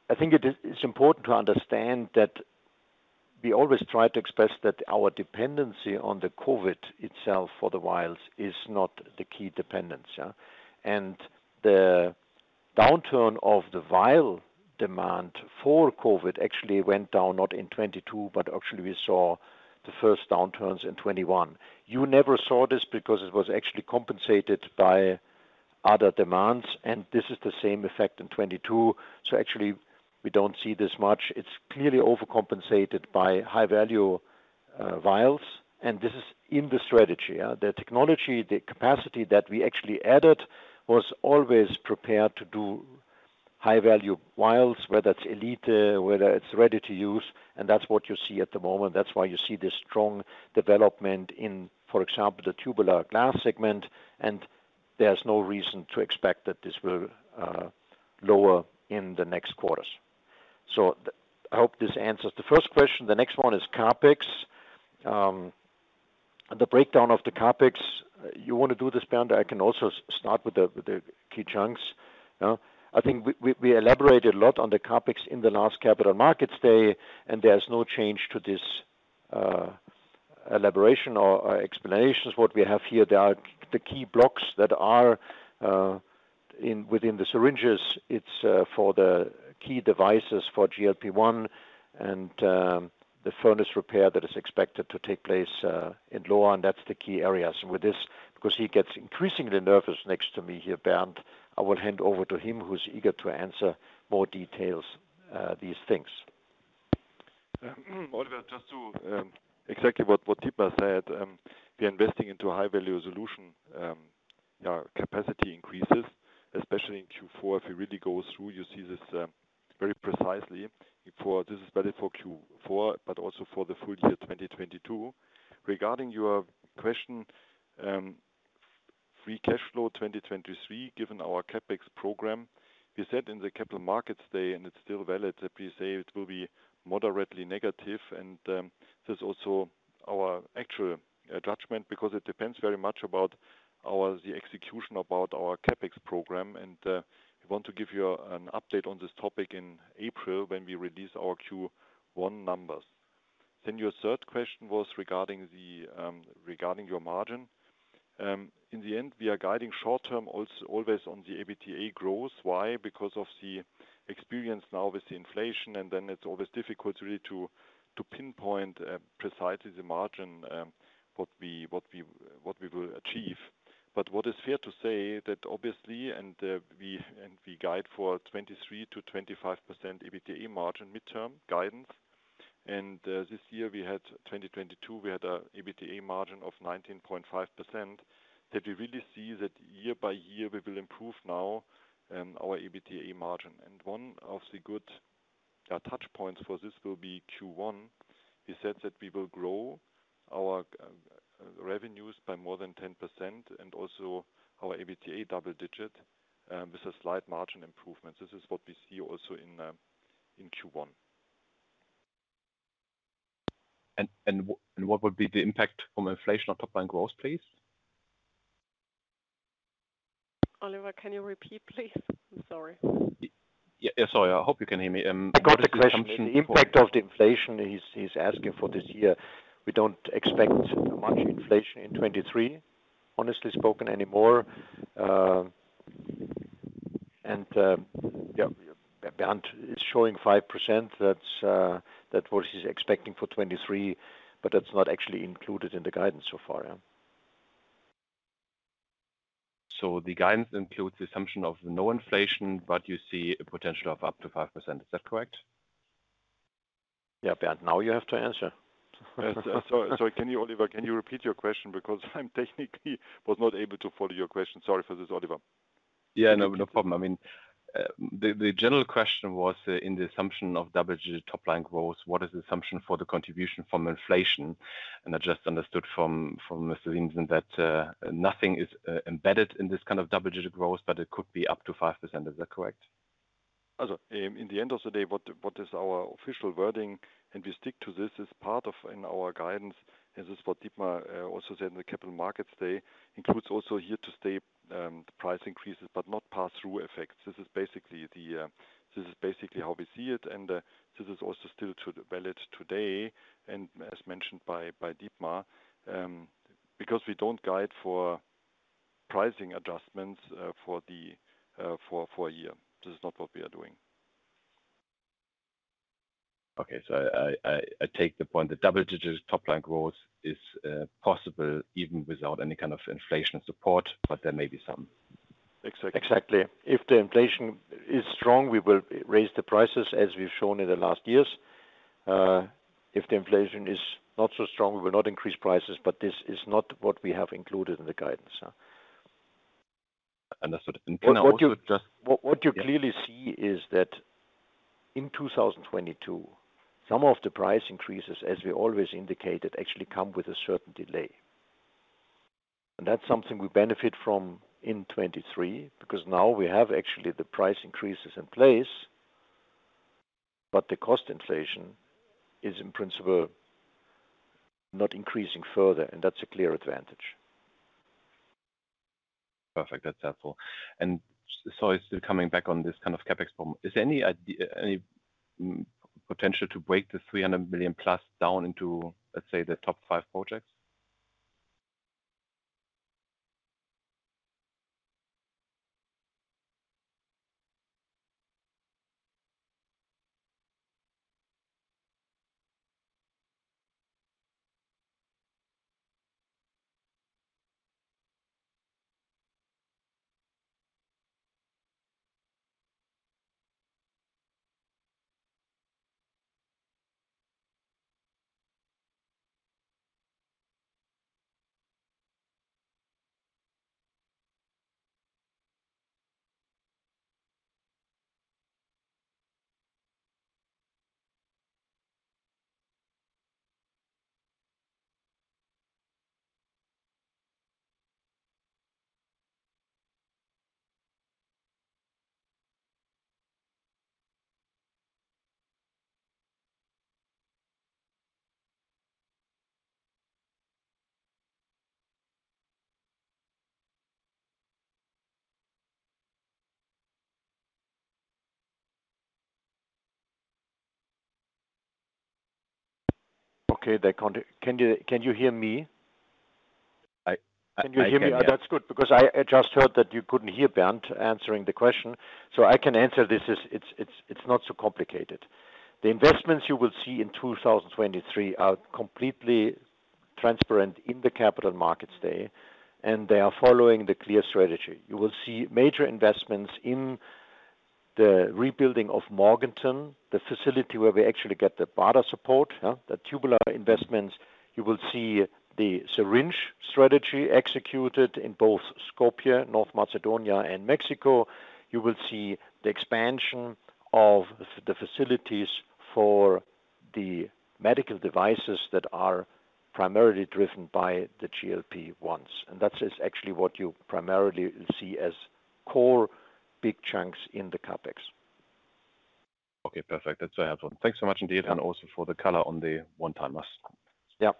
I think it's important to understand that we always try to express that our dependency on the COVID itself for the vials is not the key dependence, yeah. The downturn of the vial demand for COVID actually went down not in 22, but actually we saw the first downturns in 21. You never saw this because it was actually compensated by other demands, and this is the same effect in 22. Actually we don't see this much. It's clearly overcompensated by high-value vials, and this is in the strategy. The technology, the capacity that we actually added was always prepared to do high-value vials, whether it's Elite, whether it's ready-to-fill, and that's what you see at the moment. That's why you see this strong development in, for example, the tubular glass segment, and there's no reason to expect that this will lower in the next quarters. I hope this answers the first question. The next one is CapEx. The breakdown of the CapEx, you want to do this, Bernd? I can also start with the key chunks. I think we elaborated a lot on the CapEx in the last Capital Markets Day, and there's no change to this elaboration or explanations. What we have here, there are the key blocks that are within the syringes. It's for the key devices for GLP-1 and the furnace repair that is expected to take place in Lohr. That's the key areas. With this, because he gets increasingly nervous next to me here, Bernd, I will hand over to him who's eager to answer more details these things. Oliver, just to exactly what Dietmar Siemssen said, we are investing into high-value solution capacity increases, especially in Q4. If you really go through, you see this very precisely, this is valid for Q4, but also for the full year 2022. Regarding your question, free cash flow 2023, given our CapEx program, we said in the Capital Markets Day, and it's still valid, that we say it will be moderately negative. This is also our actual judgment because it depends very much about the execution about our CapEx program. We want to give you an update on this topic in April when we release our Q1 numbers. Your third question was regarding the regarding your margin. In the end, we are guiding short-term always on the EBITDA growth. Why? Because of the experience now with the inflation, and then it's always difficult really to pinpoint precisely the margin what we will achieve. What is fair to say that obviously, we guide for a 23%-25% EBITDA margin midterm guidance. This year 2022, we had an EBITDA margin of 19.5%, that we really see that year by year we will improve now our EBITDA margin. One of the good touchpoints for this will be Q1. We said that we will grow our revenues by more than 10% and also our EBITDA double digit with a slight margin improvement. This is what we see also in Q1. What would be the impact from inflation on top line growth, please? Oliver, can you repeat, please? I'm sorry. Yeah, sorry. I hope you can hear me. I got the question. The impact of the inflation he's asking for this year. We don't expect much inflation in 2023, honestly spoken anymore. Yeah, Bernd is showing 5%. That's that what he's expecting for 2023, that's not actually included in the guidance so far, yeah. The guidance includes the assumption of no inflation, but you see a potential of up to 5%. Is that correct? Yeah. Bernd, now you have to answer. Sorry. Oliver, can you repeat your question? I'm technically was not able to follow your question. Sorry for this, Oliver. Yeah, no problem. I mean, the general question was in the assumption of double-digit top line growth, what is the assumption for the contribution from inflation? I just understood from Mr. Siemssen that nothing is embedded in this kind of double-digit growth, but it could be up to 5%. Is that correct? In the end of the day, what is our official wording, and we stick to this as part of in our guidance, and this is what Dietmar also said in the Capital Markets Day, includes also here to stay, the price increases, but not pass-through effects. This is basically how we see it, and this is also still valid today. As mentioned by Dietmar, because we don't guide for pricing adjustments for a year. This is not what we are doing. I take the point that double-digit top line growth is possible even without any kind of inflation support, but there may be some. Exactly. If the inflation is strong, we will raise the prices as we've shown in the last years. If the inflation is not so strong, we will not increase prices, but this is not what we have included in the guidance. Understood. Can I also just. What you, what you clearly see is that in 2022, some of the price increases, as we always indicated, actually come with a certain delay. That's something we benefit from in 2023 because now we have actually the price increases in place, but the cost inflation is in principle not increasing further, and that's a clear advantage. Perfect. That's helpful. Still coming back on this kind of CapEx problem, is there any potential to break the 300 million plus down into, let's say, the top five projects? Okay, they can't hear. Can you hear me? I can hear. Can you hear me? That's good, because I just heard that you couldn't hear Bernd answering the question. I can answer this. It's not so complicated. The investments you will see in 2023 are completely transparent in the Capital Markets Day. They are following the clear strategy. You will see major investments in the rebuilding of Morganton, the facility where we actually get the barter support, huh? The tubular investments. You will see the syringe strategy executed in both Skopje, North Macedonia and Mexico. You will see the expansion of the facilities for the medical devices that are primarily driven by the GLP-1s. That is actually what you primarily see as core big chunks in the CapEx. Okay, perfect. That's helpful. Thanks so much indeed, and also for the color on the one-timers. Yeah.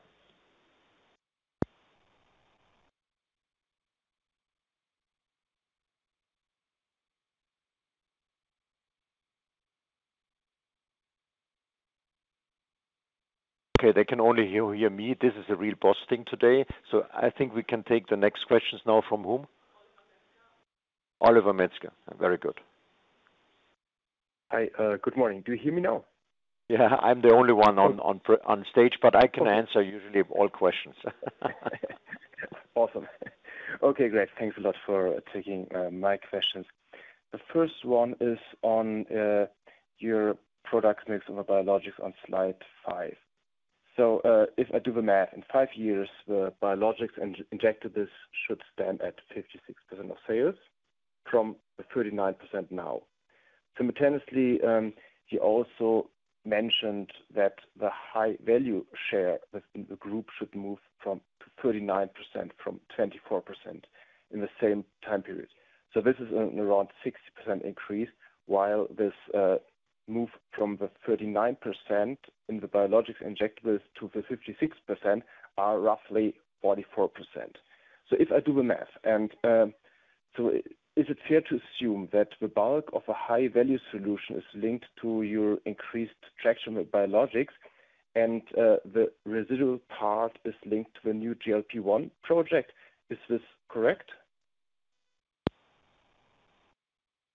Okay, they can only hear me. This is a real boss thing today. I think we can take the next questions now from whom? Oliver Metzger. Oliver Metzger. Very good. Hi. Good morning. Do you hear me now? Yeah. I'm the only one on on stage, but I can answer usually all questions. Awesome. Okay, great. Thanks a lot for taking my questions. The first one is on your product mix of the biologics on slide 5. If I do the math, in 5 years, the biologics and injectables should stand at 56% of sales from the 39% now. Simultaneously, you also mentioned that the high value share within the group should move from 39% from 24% in the same time period. This is around 60% increase while this move from the 39% in the biologics injectables to the 56% are roughly 44%. If I do the math and is it fair to assume that the bulk of a high value solution is linked to your increased traction with biologics and the residual part is linked to a new GLP-1 project? Is this correct?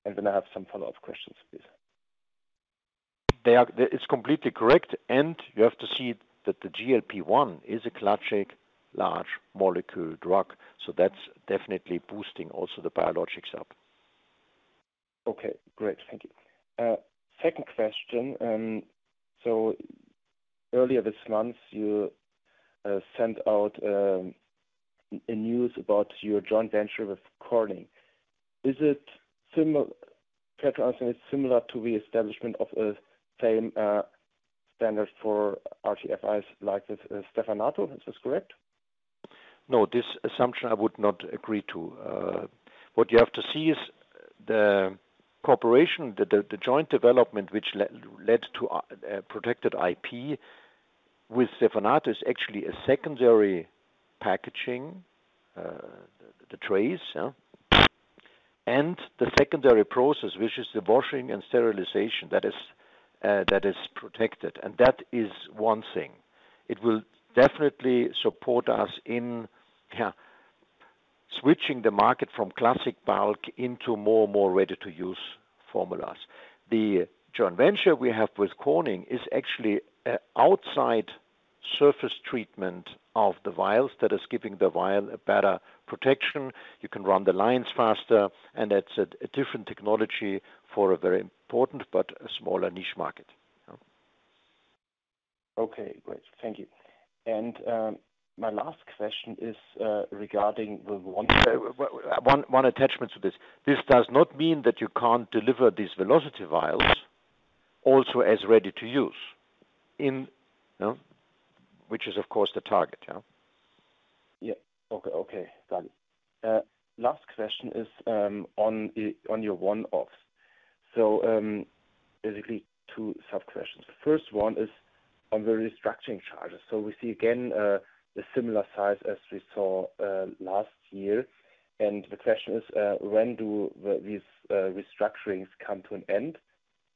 I have some follow-up questions, please. It's completely correct. You have to see that the GLP-1 is a classic large molecule drug, so that's definitely boosting also the biologics up. Okay, great. Thank you. Second question. Earlier this month, you sent out a news about your joint venture with Corning. Is it fair to answer, is similar to the establishment of a same standard for RTFIs like with Stevanato. Is this correct? No, this assumption I would not agree to. What you have to see is the cooperation, the joint development which led to, protected IP with Stevanato is actually a secondary packaging, the trays, yeah. The secondary process, which is the washing and sterilization that is, that is protected. That is one thing. It will definitely support us in, yeah, switching the market from classic bulk into more and more ready-to-use formulas. The joint venture we have with Corning is actually, outside surface treatment of the vials that is giving the vial a better protection. You can run the lines faster, that's a different technology for a very important but a smaller niche market. Yeah. Okay, great. Thank you. My last question is, regarding the one- One, one attachment to this. This does not mean that you can't deliver these Velocity vials also as ready-to-use. You know? Which is of course the target, yeah. Yeah. Okay. Okay. Got it. Last question is on the, on your one-offs. Basically two sub-questions. The first one is on the restructuring charges. We see again the similar size as we saw last year. The question is, when do these restructurings come to an end?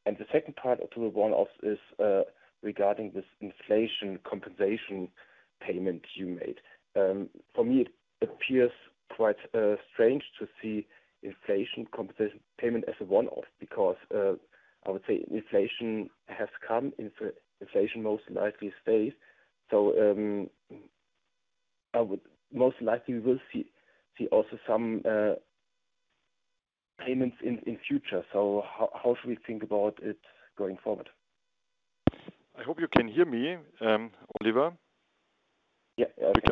The second part to the one-off is regarding this inflation compensation payment you made. For me it appears quite strange to see inflation compensation payment as a one-off because I would say inflation has come, inflation most likely stays. I would most likely we will see also some payments in future. How should we think about it going forward? I hope you can hear me, Oliver. Yeah.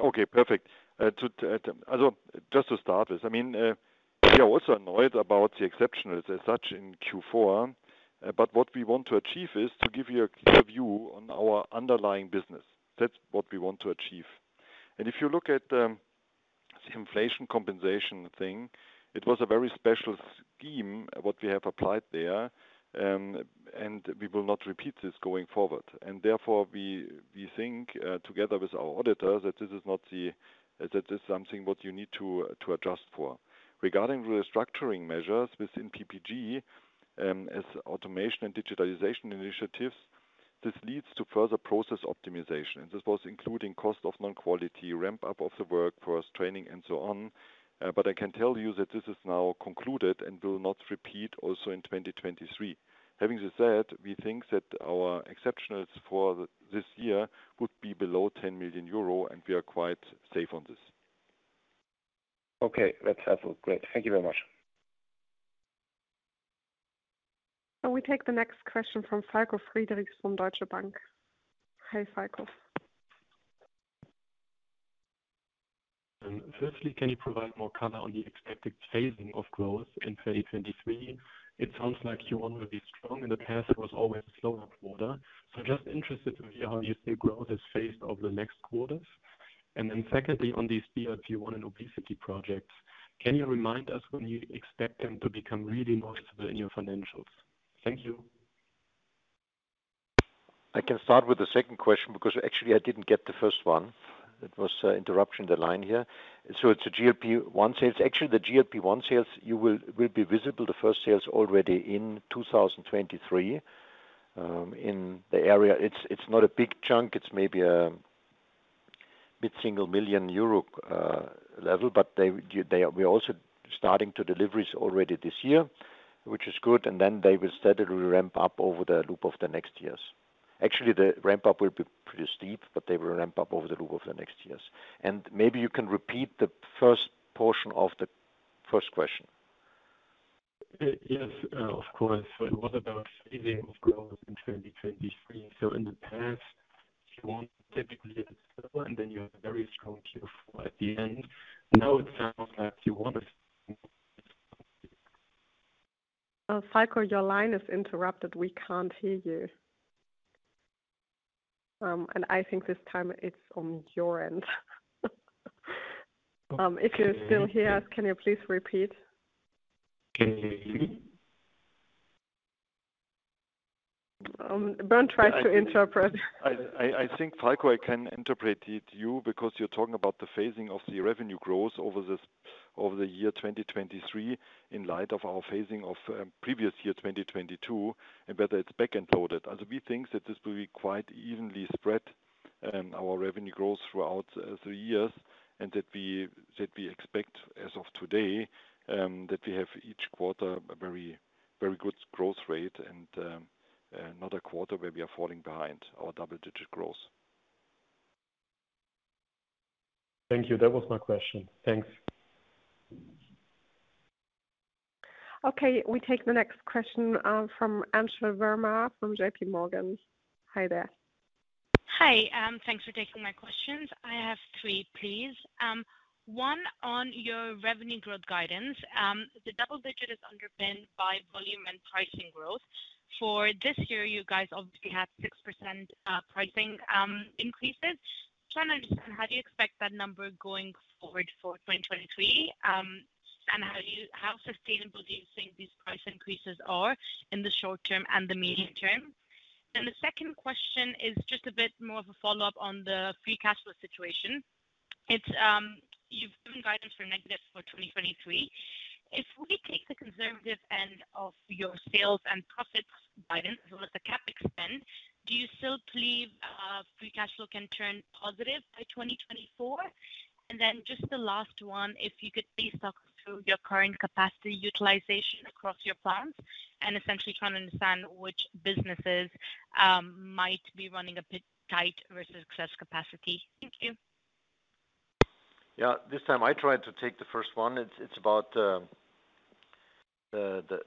Okay, perfect. Just to start this, I mean, we are also annoyed about the exceptionals as such in Q4. What we want to achieve is to give you a clear view on our underlying business. That's what we want to achieve. If you look at the inflation compensation thing, it was a very special scheme, what we have applied there, we will not repeat this going forward. Therefore we think, together with our auditors, that this is not that this is something what you need to adjust for. Regarding restructuring measures within PPG, as automation and digitalization initiatives, this leads to further process optimization. This was including cost of non-quality, ramp-up of the workforce training, and so on. I can tell you that this is now concluded and will not repeat also in 2023. Having said, we think that our exceptionals for this year would be below 10 million euro, and we are quite safe on this. Okay. That's helpful. Great. Thank you very much. We take the next question from Falko Friedrichs from Deutsche Bank. Hi, Falko. Firstly, can you provide more color on the expected phasing of growth in 2023? It sounds like Q1 will be strong. In the past, it was always slower quarter. Just interested to hear how you see growth is phased over the next quarters. Secondly, on these GLP-1 and obesity projects, can you remind us when you expect them to become really noticeable in your financials? Thank you. I can start with the second question because actually I didn't get the first one. It was interruption the line here. It's a GLP-1 sales. Actually, the GLP-1 sales, you will be visible, the first sales already in 2023 in the area. It's not a big chunk. It's maybe a mid-single million EUR level. They, We're also starting to deliveries already this year, which is good, and then they will steadily ramp up over the loop of the next years. Actually, the ramp up will be pretty steep, but they will ramp up over the loop of the next years. Maybe you can repeat the first portion of the first question. Yes, of course. It was about phasing of growth in 2023. In the past, Q1 typically a bit slower, and then you have a very strong Q4 at the end. Now it sounds like you want to- Falko, your line is interrupted. We can't hear you. I think this time it's on your end. If you're still here, can you please repeat? Can you hear me? Bernd tries to interpret. I think, Falko, I can interpret it you because you're talking about the phasing of the revenue growth over the year 2023 in light of our phasing of previous year, 2022, and whether it's back-end loaded. As we think that this will be quite evenly spread, our revenue growth throughout the years, and that we expect as of today, that we have each quarter a very good growth rate and another quarter where we are falling behind our double-digit growth. Thank you. That was my question. Thanks. Okay, we take the next question from Anshul Verma from JPMorgan. Hi there. Hi, thanks for taking my questions. I have 3, please. One, on your revenue growth guidance, the double-digit is underpinned by volume and pricing growth. For this year, you guys obviously have 6% pricing increases. Trying to understand how do you expect that number going forward for 2023, and how sustainable do you think these price increases are in the short term and the medium term? The second question is just a bit more of a follow-up on the free cash flow situation. It's, you've given guidance for negative for 2023. If we take the conservative end of your sales and profits guidance as well as the CapEx spend, do you still believe free cash flow can turn positive by 2024? Just the last one, if you could please talk through your current capacity utilization across your plants and essentially trying to understand which businesses might be running a bit tight versus excess capacity. Thank you. Yeah. This time I tried to take the first one. It's about the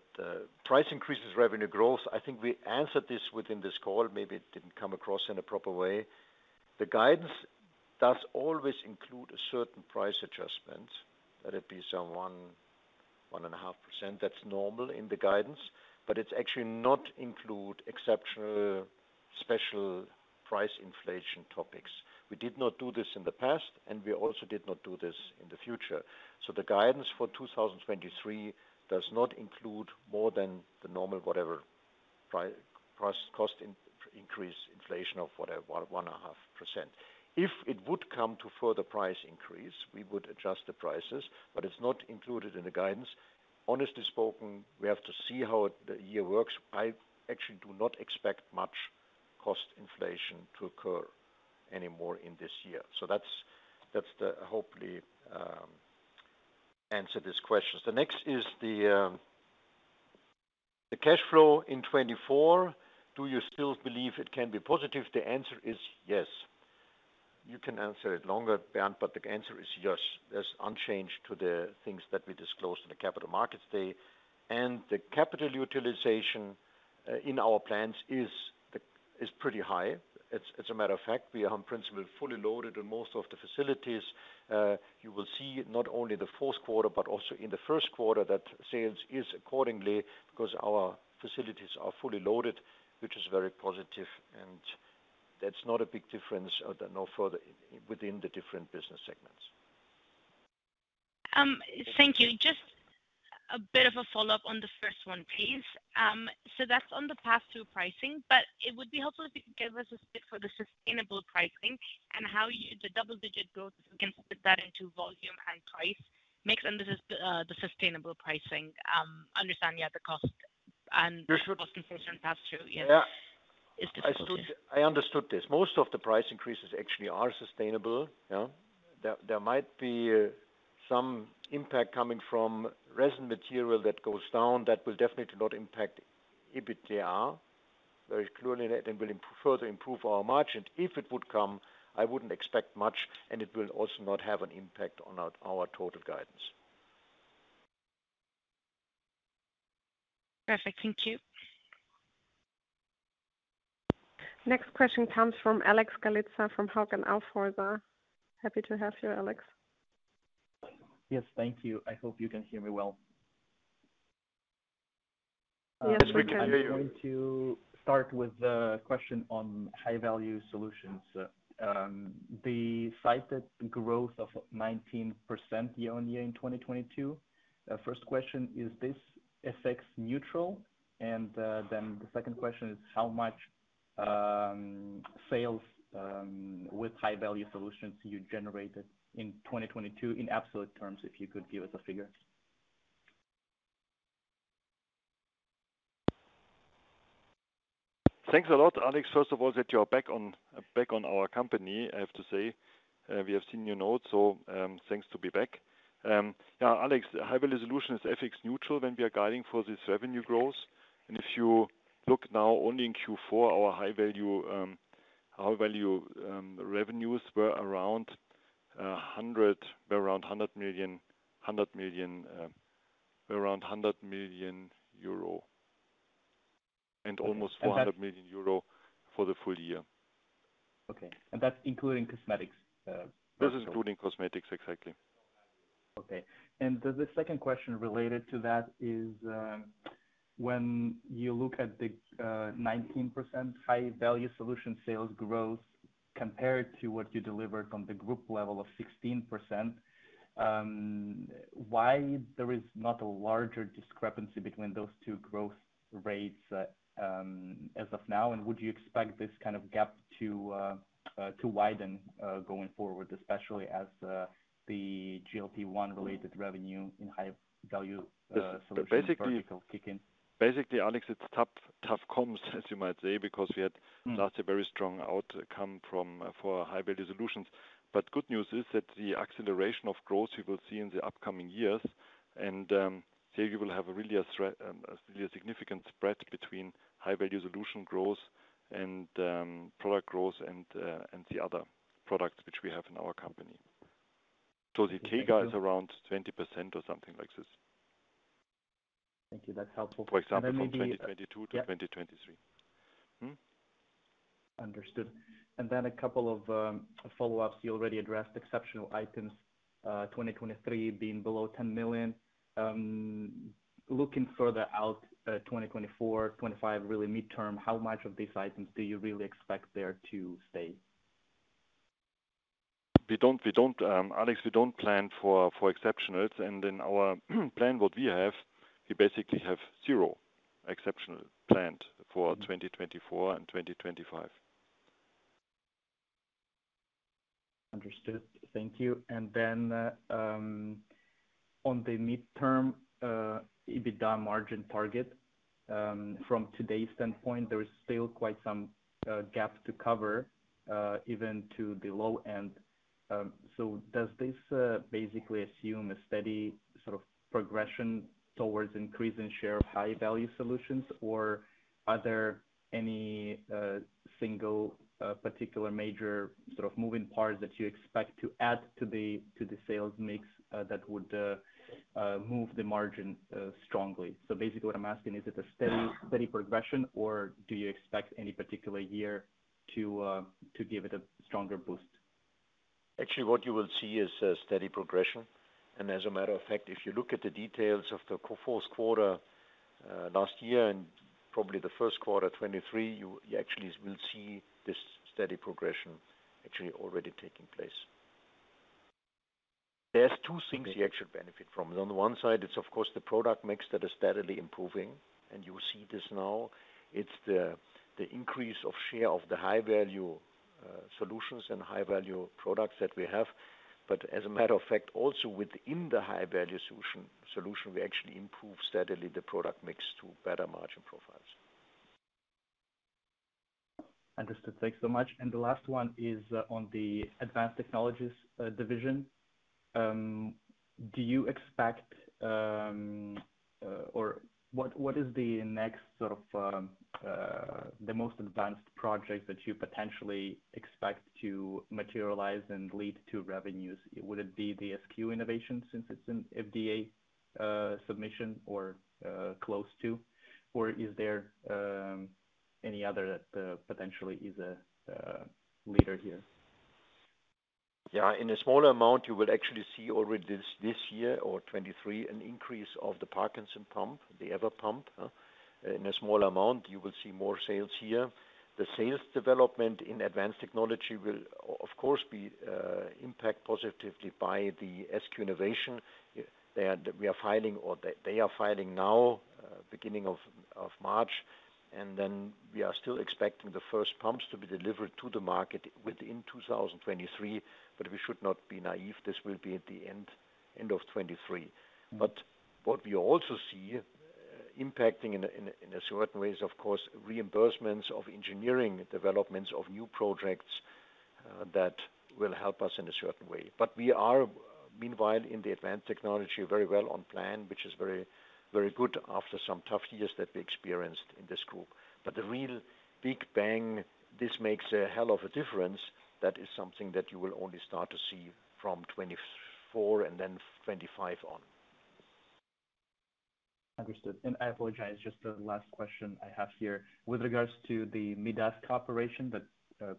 price increases revenue growth. I think we answered this within this call. Maybe it didn't come across in a proper way. The guidance does always include a certain price adjustment, let it be some 1 and a half %. That's normal in the guidance. It's actually not include exceptional special price inflation topics. We did not do this in the past, and we also did not do this in the future. The guidance for 2023 does not include more than the normal whatever cost increase inflation of whatever, 1 and a half%. If it would come to further price increase, we would adjust the prices, but it's not included in the guidance. Honestly spoken, we have to see how the year works. I actually do not expect much cost inflation to occur any more in this year. That's hopefully answer these questions. The next is the cash flow in 24. Do you still believe it can be positive? The answer is yes. You can answer it longer, Bernd, the answer is yes. That's unchanged to the things that we disclosed in the Capital Markets Day. The capital utilization in our plans is pretty high. As a matter of fact, we are on principle, fully loaded in most of the facilities. You will see not only the fourth quarter but also in the first quarter that sales is accordingly 'cause our facilities are fully loaded, which is very positive. That's not a big difference, no further within the different business segments. Thank you. Just a bit of a follow-up on the first one, please. That's on the pass-through pricing, but it would be helpful if you could give us a bit for the sustainable pricing and how you the double-digit growth, if you can split that into volume and price. This is the sustainable pricing. Understand, yeah, the cost. This would- the cost inflation pass-through, yes. Yeah. It's difficult. I understood this. Most of the price increases actually are sustainable, yeah. There might be some impact coming from resin material that goes down. That will definitely not impact EBITDA very clearly. It will further improve our margin. If it would come, I wouldn't expect much, and it will also not have an impact on our total guidance. Perfect. Thank you. Next question comes from Alexander Galitsa from Hauck & Aufhäuser. Happy to have you, Alex. Yes, thank you. I hope you can hear me well. Yes, we can. Yes, we can hear you. I'm going to start with a question on high-value solutions. The cited growth of 19% year-over-year in 2022. First question, is this FX neutral? The second question is how much sales with high-value solutions you generated in 2022 in absolute terms, if you could give us a figure. Thanks a lot, Alex. First of all, that you are back on our company, I have to say. We have seen your notes, thanks to be back. Yeah, Alex, high-value solution is FX neutral when we are guiding for this revenue growth. If you look now only in Q4, our high value revenues were around 100 million. And that- EUR 100 million for the full year. Okay. That's including cosmetics, ratio? That's including cosmetics, exactly. Okay. The, the second question related to that is, when you look at the 19% high-value solution sales growth compared to what you delivered on the group level of 16%, why there is not a larger discrepancy between those two growth rates, as of now? Would you expect this kind of gap to widen going forward, especially as the GLP-1 related revenue in high value solution? Basically- project will kick in? Basically, Alex, it's tough comms, as you might say, because. Mm-hmm last year very strong outcome for high-value solutions. Good news is that the acceleration of growth you will see in the upcoming years, here you will have a really significant spread between high-value solution growth and product growth and the other products which we have in our company. The Gx G-Guide. Thank you. is around 20% or something like this. Thank you. That's helpful. For example, from 2022 to 2023. Yep. Hmm? Understood. A couple of follow-ups. You already addressed exceptional items, 2023 being below 10 million. Looking further out, 2024, 2025, really midterm, how much of these items do you really expect there to stay? We don't Alex, we don't plan for exceptionals. In our plan what we have, we basically have zero exceptional planned. Mm-hmm. 2024 and 2025. Understood. Thank you. Then on the midterm EBITDA margin target from today's standpoint, there is still quite some gap to cover even to the low end. Does this basically assume a steady sort of progression towards increasing share of high-value solutions or are there any single particular major sort of moving parts that you expect to add to the sales mix that would move the margin strongly? Basically what I'm asking, is it a steady- Yeah. -steady progression, or do you expect any particular year to give it a stronger boost? Actually, what you will see is a steady progression. As a matter of fact, if you look at the details of the fourth quarter, last year and probably the first quarter 2023, you actually will see this steady progression actually already taking place. There's two things- Okay. -you actually benefit from. On the one side, it's of course the product mix that is steadily improving, and you see this now. It's the increase of share of the high-value solutions and high-value products that we have. As a matter of fact, also within the high-value solution, we actually improve steadily the product mix to better margin profiles. Understood. Thanks so much. The last one is on the Advanced Technologies division. Do you expect, or what is the next sort of, the most advanced project that you potentially expect to materialize and lead to revenues? Would it be the SQ Innovation since it's in FDA submission or close to? Is there any other that potentially is a leader here? Yeah, in a smaller amount, you will actually see already this year or 2023, an increase of the Parkinson pump, the Everpump, huh. In a small amount, you will see more sales here. The sales development in advanced technology will of course be impact positively by the SQ Innovation that we are filing or they are filing now, beginning of March. We are still expecting the first pumps to be delivered to the market within 2023. We should not be naive, this will be at the end of 2023. What we also see impacting in a certain way is of course reimbursements of engineering developments of new projects that will help us in a certain way. We are meanwhile in the Advanced Technologies very well on plan, which is very, very good after some tough years that we experienced in this group. The real big bang, this makes a hell of a difference. That is something that you will only start to see from 2024 and then 2025 on. Understood. I apologize, just the last question I have here. With regards to the Midas Pharma cooperation that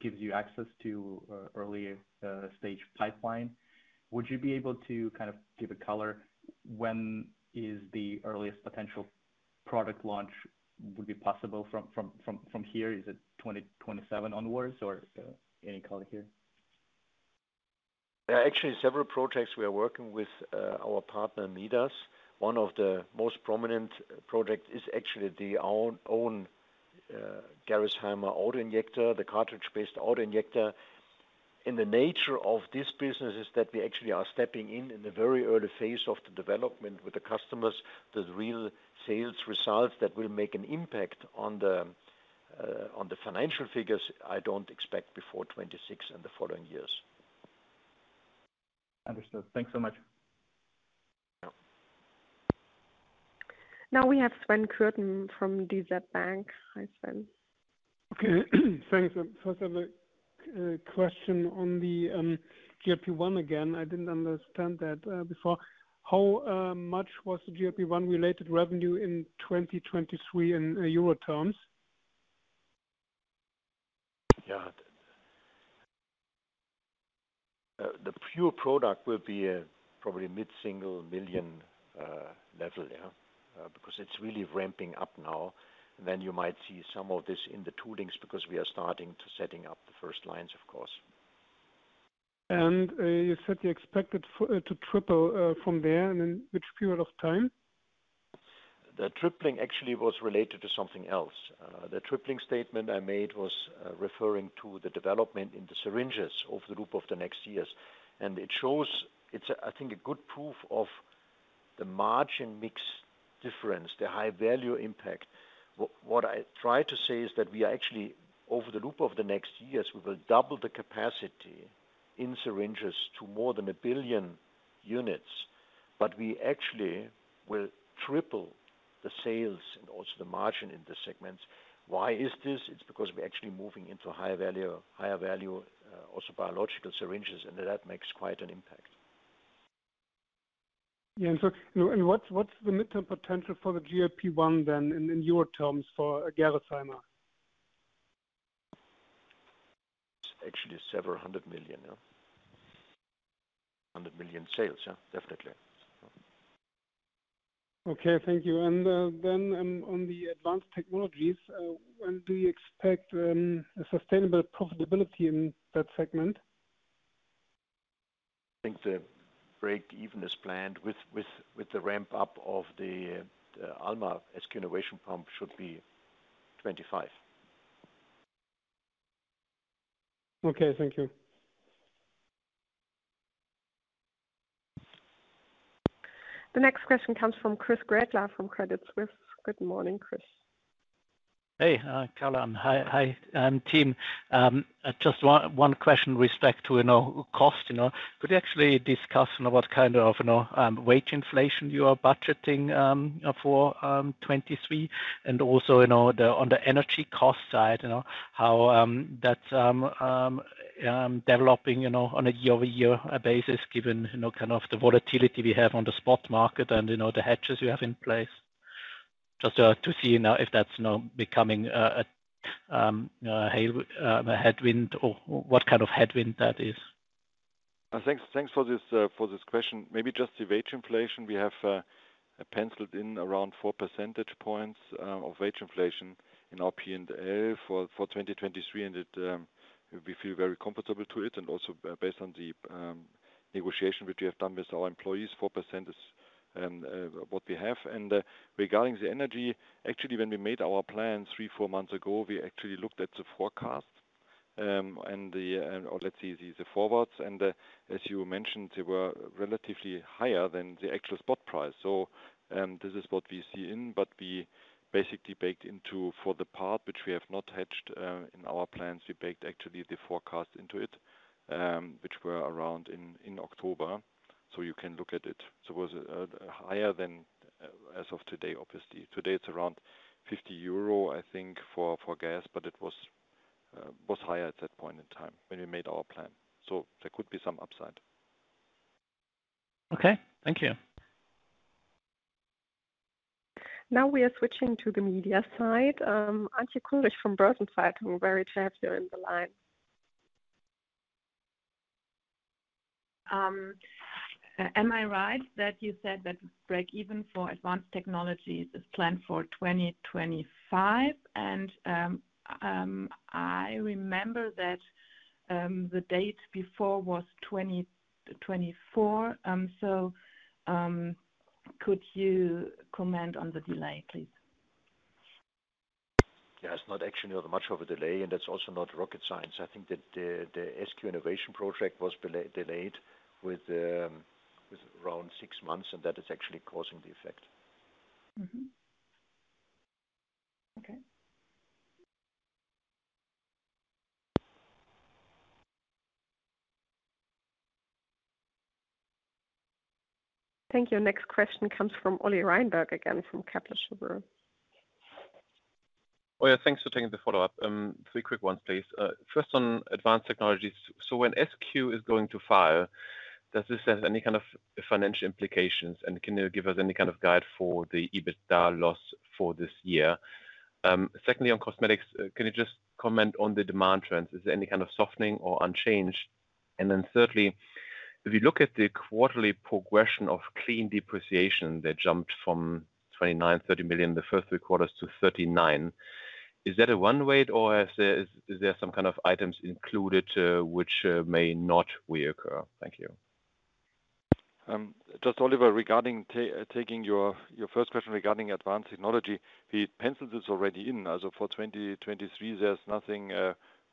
gives you access to early stage pipeline, would you be able to kind of give a color when is the earliest potential product launch would be possible from here? Is it 2027 onwards or any color here? There are actually several projects we are working with our partner Midas. One of the most prominent project is actually the own Gerresheimer auto-injector, the cartridge-based auto-injector. The nature of this business is that we actually are stepping in in the very early phase of the development with the customers. The real sales results that will make an impact on the financial figures I don't expect before 2026 and the following years. Understood. Thanks so much. Yeah. We have Sven Kürten from DZ Bank. Hi, Sven. Thanks. First, I have a question on the GLP-1 again. I didn't understand that before. How much was the GLP-1 related revenue in 2023 in euro terms? Yeah. The pure product will be probably mid-single million EUR level, yeah. Because it's really ramping up now. You might see some of this in the toolings because we are starting to setting up the first lines of course. You said you expect it to triple from there and in which period of time? The tripling actually was related to something else. The tripling statement I made was referring to the development in the syringes over the group of the next years. It shows, I think, a good proof of the margin mix difference, the high value impact. What I try to say is that we are actually, over the group of the next years, we will double the capacity in syringes to more than 1 billion units, but we actually will triple the sales and also the margin in the segments. Why is this? It's because we're actually moving into higher value, higher value, also biological syringes, and that makes quite an impact. What's the midterm potential for the GLP-1 then in euro terms for Gerresheimer? It's actually several 100 million EUR, yeah. 100 million sales, yeah, definitely. Okay, thank you. On the Advanced Technologies, when do you expect a sustainable profitability in that segment? I think the break even is planned with the ramp up of the Alma SQ Innovation pump should be 2025. Okay, thank you. The next question comes from Christoph Gretler from Credit Suisse. Good morning, Chris. Hey, Carolin. Hi, team. Just one question with respect to, you know, cost, you know. Could you actually discuss, you know, what kind of, you know, wage inflation you are budgeting for 2023? Also, you know, on the energy cost side, you know, how that developing, you know, on a year-over-year basis given, you know, kind of the volatility we have on the spot market and, you know, the hedges you have in place? Just to see now if that's now becoming a headwind or what kind of headwind that is. Thanks, thanks for this, for this question. Maybe just the wage inflation we have penciled in around 4 percentage points of wage inflation in our P&L for 2023. It, we feel very comfortable to it and also based on the negotiation which we have done with our employees, 4% is what we have. Regarding the energy, actually, when we made our plan 3, 4 months ago, we actually looked at the forecast, and the, or let's say the forwards and, as you mentioned, they were relatively higher than the actual spot price. This is what we see in, but we basically baked into for the part which we have not hedged in our plans. We baked actually the forecast into it, which were around in October. You can look at it. It was higher than as of today, obviously. Today it's around 50 euro, I think, for gas, but it was higher at that point in time when we made our plan. There could be some upside. Okay. Thank you. Now we are switching to the media side. Antje Kullrich from Borsen-Zeitung. Very happy you're in the line. Am I right that you said that breakeven for Advanced Technologies is planned for 2025? I remember that the date before was 2024. Could you comment on the delay, please? Yeah. It's not actually, you know, much of a delay. That's also not rocket science. I think that the SQ Innovation project was delayed with around 6 months. That is actually causing the effect. Mm-hmm. Okay. Thank you. Next question comes from Oliver Reinberg again from Kepler Cheuvreux. Oli, thanks for taking the follow-up. Three quick ones, please. First on Advanced Technologies. When SQ is going to file, does this have any kind of financial implications, and can you give us any kind of guide for the EBITDA loss for this year? Secondly, on cosmetics, can you just comment on the demand trends? Is there any kind of softening or unchanged? Thirdly, if you look at the quarterly progression of clean depreciation that jumped from 29 million, 30 million the first three quarters to 39 million, is that a one-way or is there some kind of items included which may not reoccur? Thank you. Just Oliver regarding your first question regarding Advanced Technologies. We penciled this already in. As of for 2023, there's nothing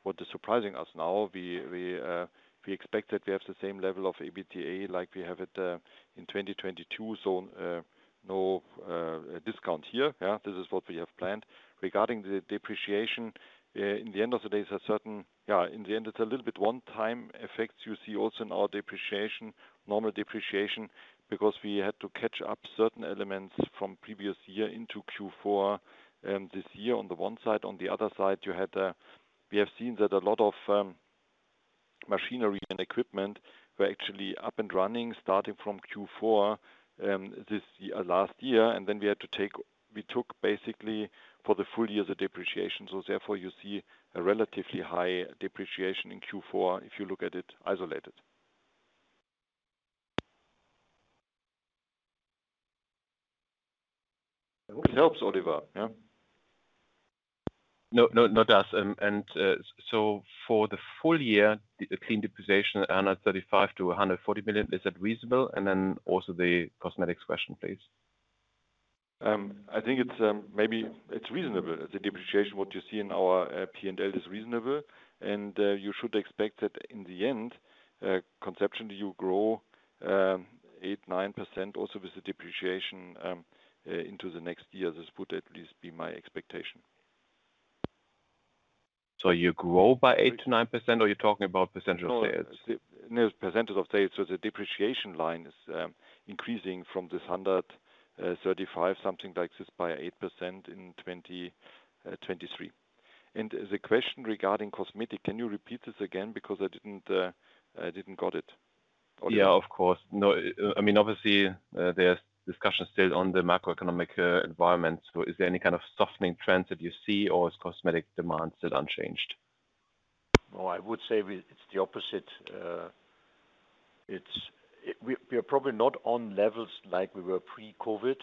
what is surprising us now. We expect that we have the same level of EBITDA like we have it in 2022, so no discount here. This is what we have planned. Regarding the depreciation, in the end it's a little bit one-time effects you see also in our depreciation, normal depreciation, because we had to catch up certain elements from previous year into Q4 this year on the one side. On the other side, we have seen that a lot of machinery and equipment were actually up and running starting from Q4 last year. We took basically for the full year the depreciation. Therefore you see a relatively high depreciation in Q4 if you look at it isolated. I hope it helps, Oliver. Yeah. No, no, it does. So for the full year, the clean depreciation, 135 million-140 million, is that reasonable? Also the cosmetics question, please. I think it's maybe it's reasonable. The depreciation, what you see in our P&L, is reasonable, and you should expect that in the end, conceptually, you grow 8%-9% also with the depreciation into the next year. This would at least be my expectation. You grow by 8-9%, or you're talking about percentage of sales? No, the percentage of sales. The depreciation line is increasing from this 135, something like this, by 8% in 2023. The question regarding cosmetic, can you repeat this again because I didn't, I didn't got it. Yeah, of course. No, I mean, obviously, there's discussion still on the macroeconomic environment. Is there any kind of softening trends that you see, or is cosmetic demand still unchanged? No, I would say it's the opposite. We are probably not on levels like we were pre-COVID,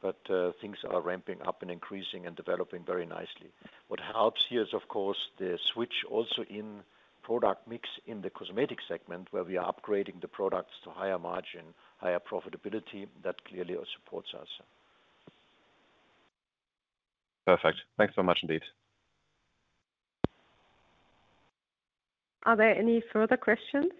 but things are ramping up and increasing and developing very nicely. What helps here is, of course, the switch also in product mix in the cosmetic segment, where we are upgrading the products to higher margin, higher profitability. That clearly supports us. Perfect. Thanks so much indeed. Are there any further questions?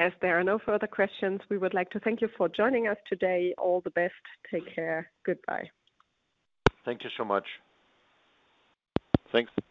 As there are no further questions, we would like to thank you for joining us today. All the best. Take care. Goodbye. Thank you so much. Thanks. Bye-bye.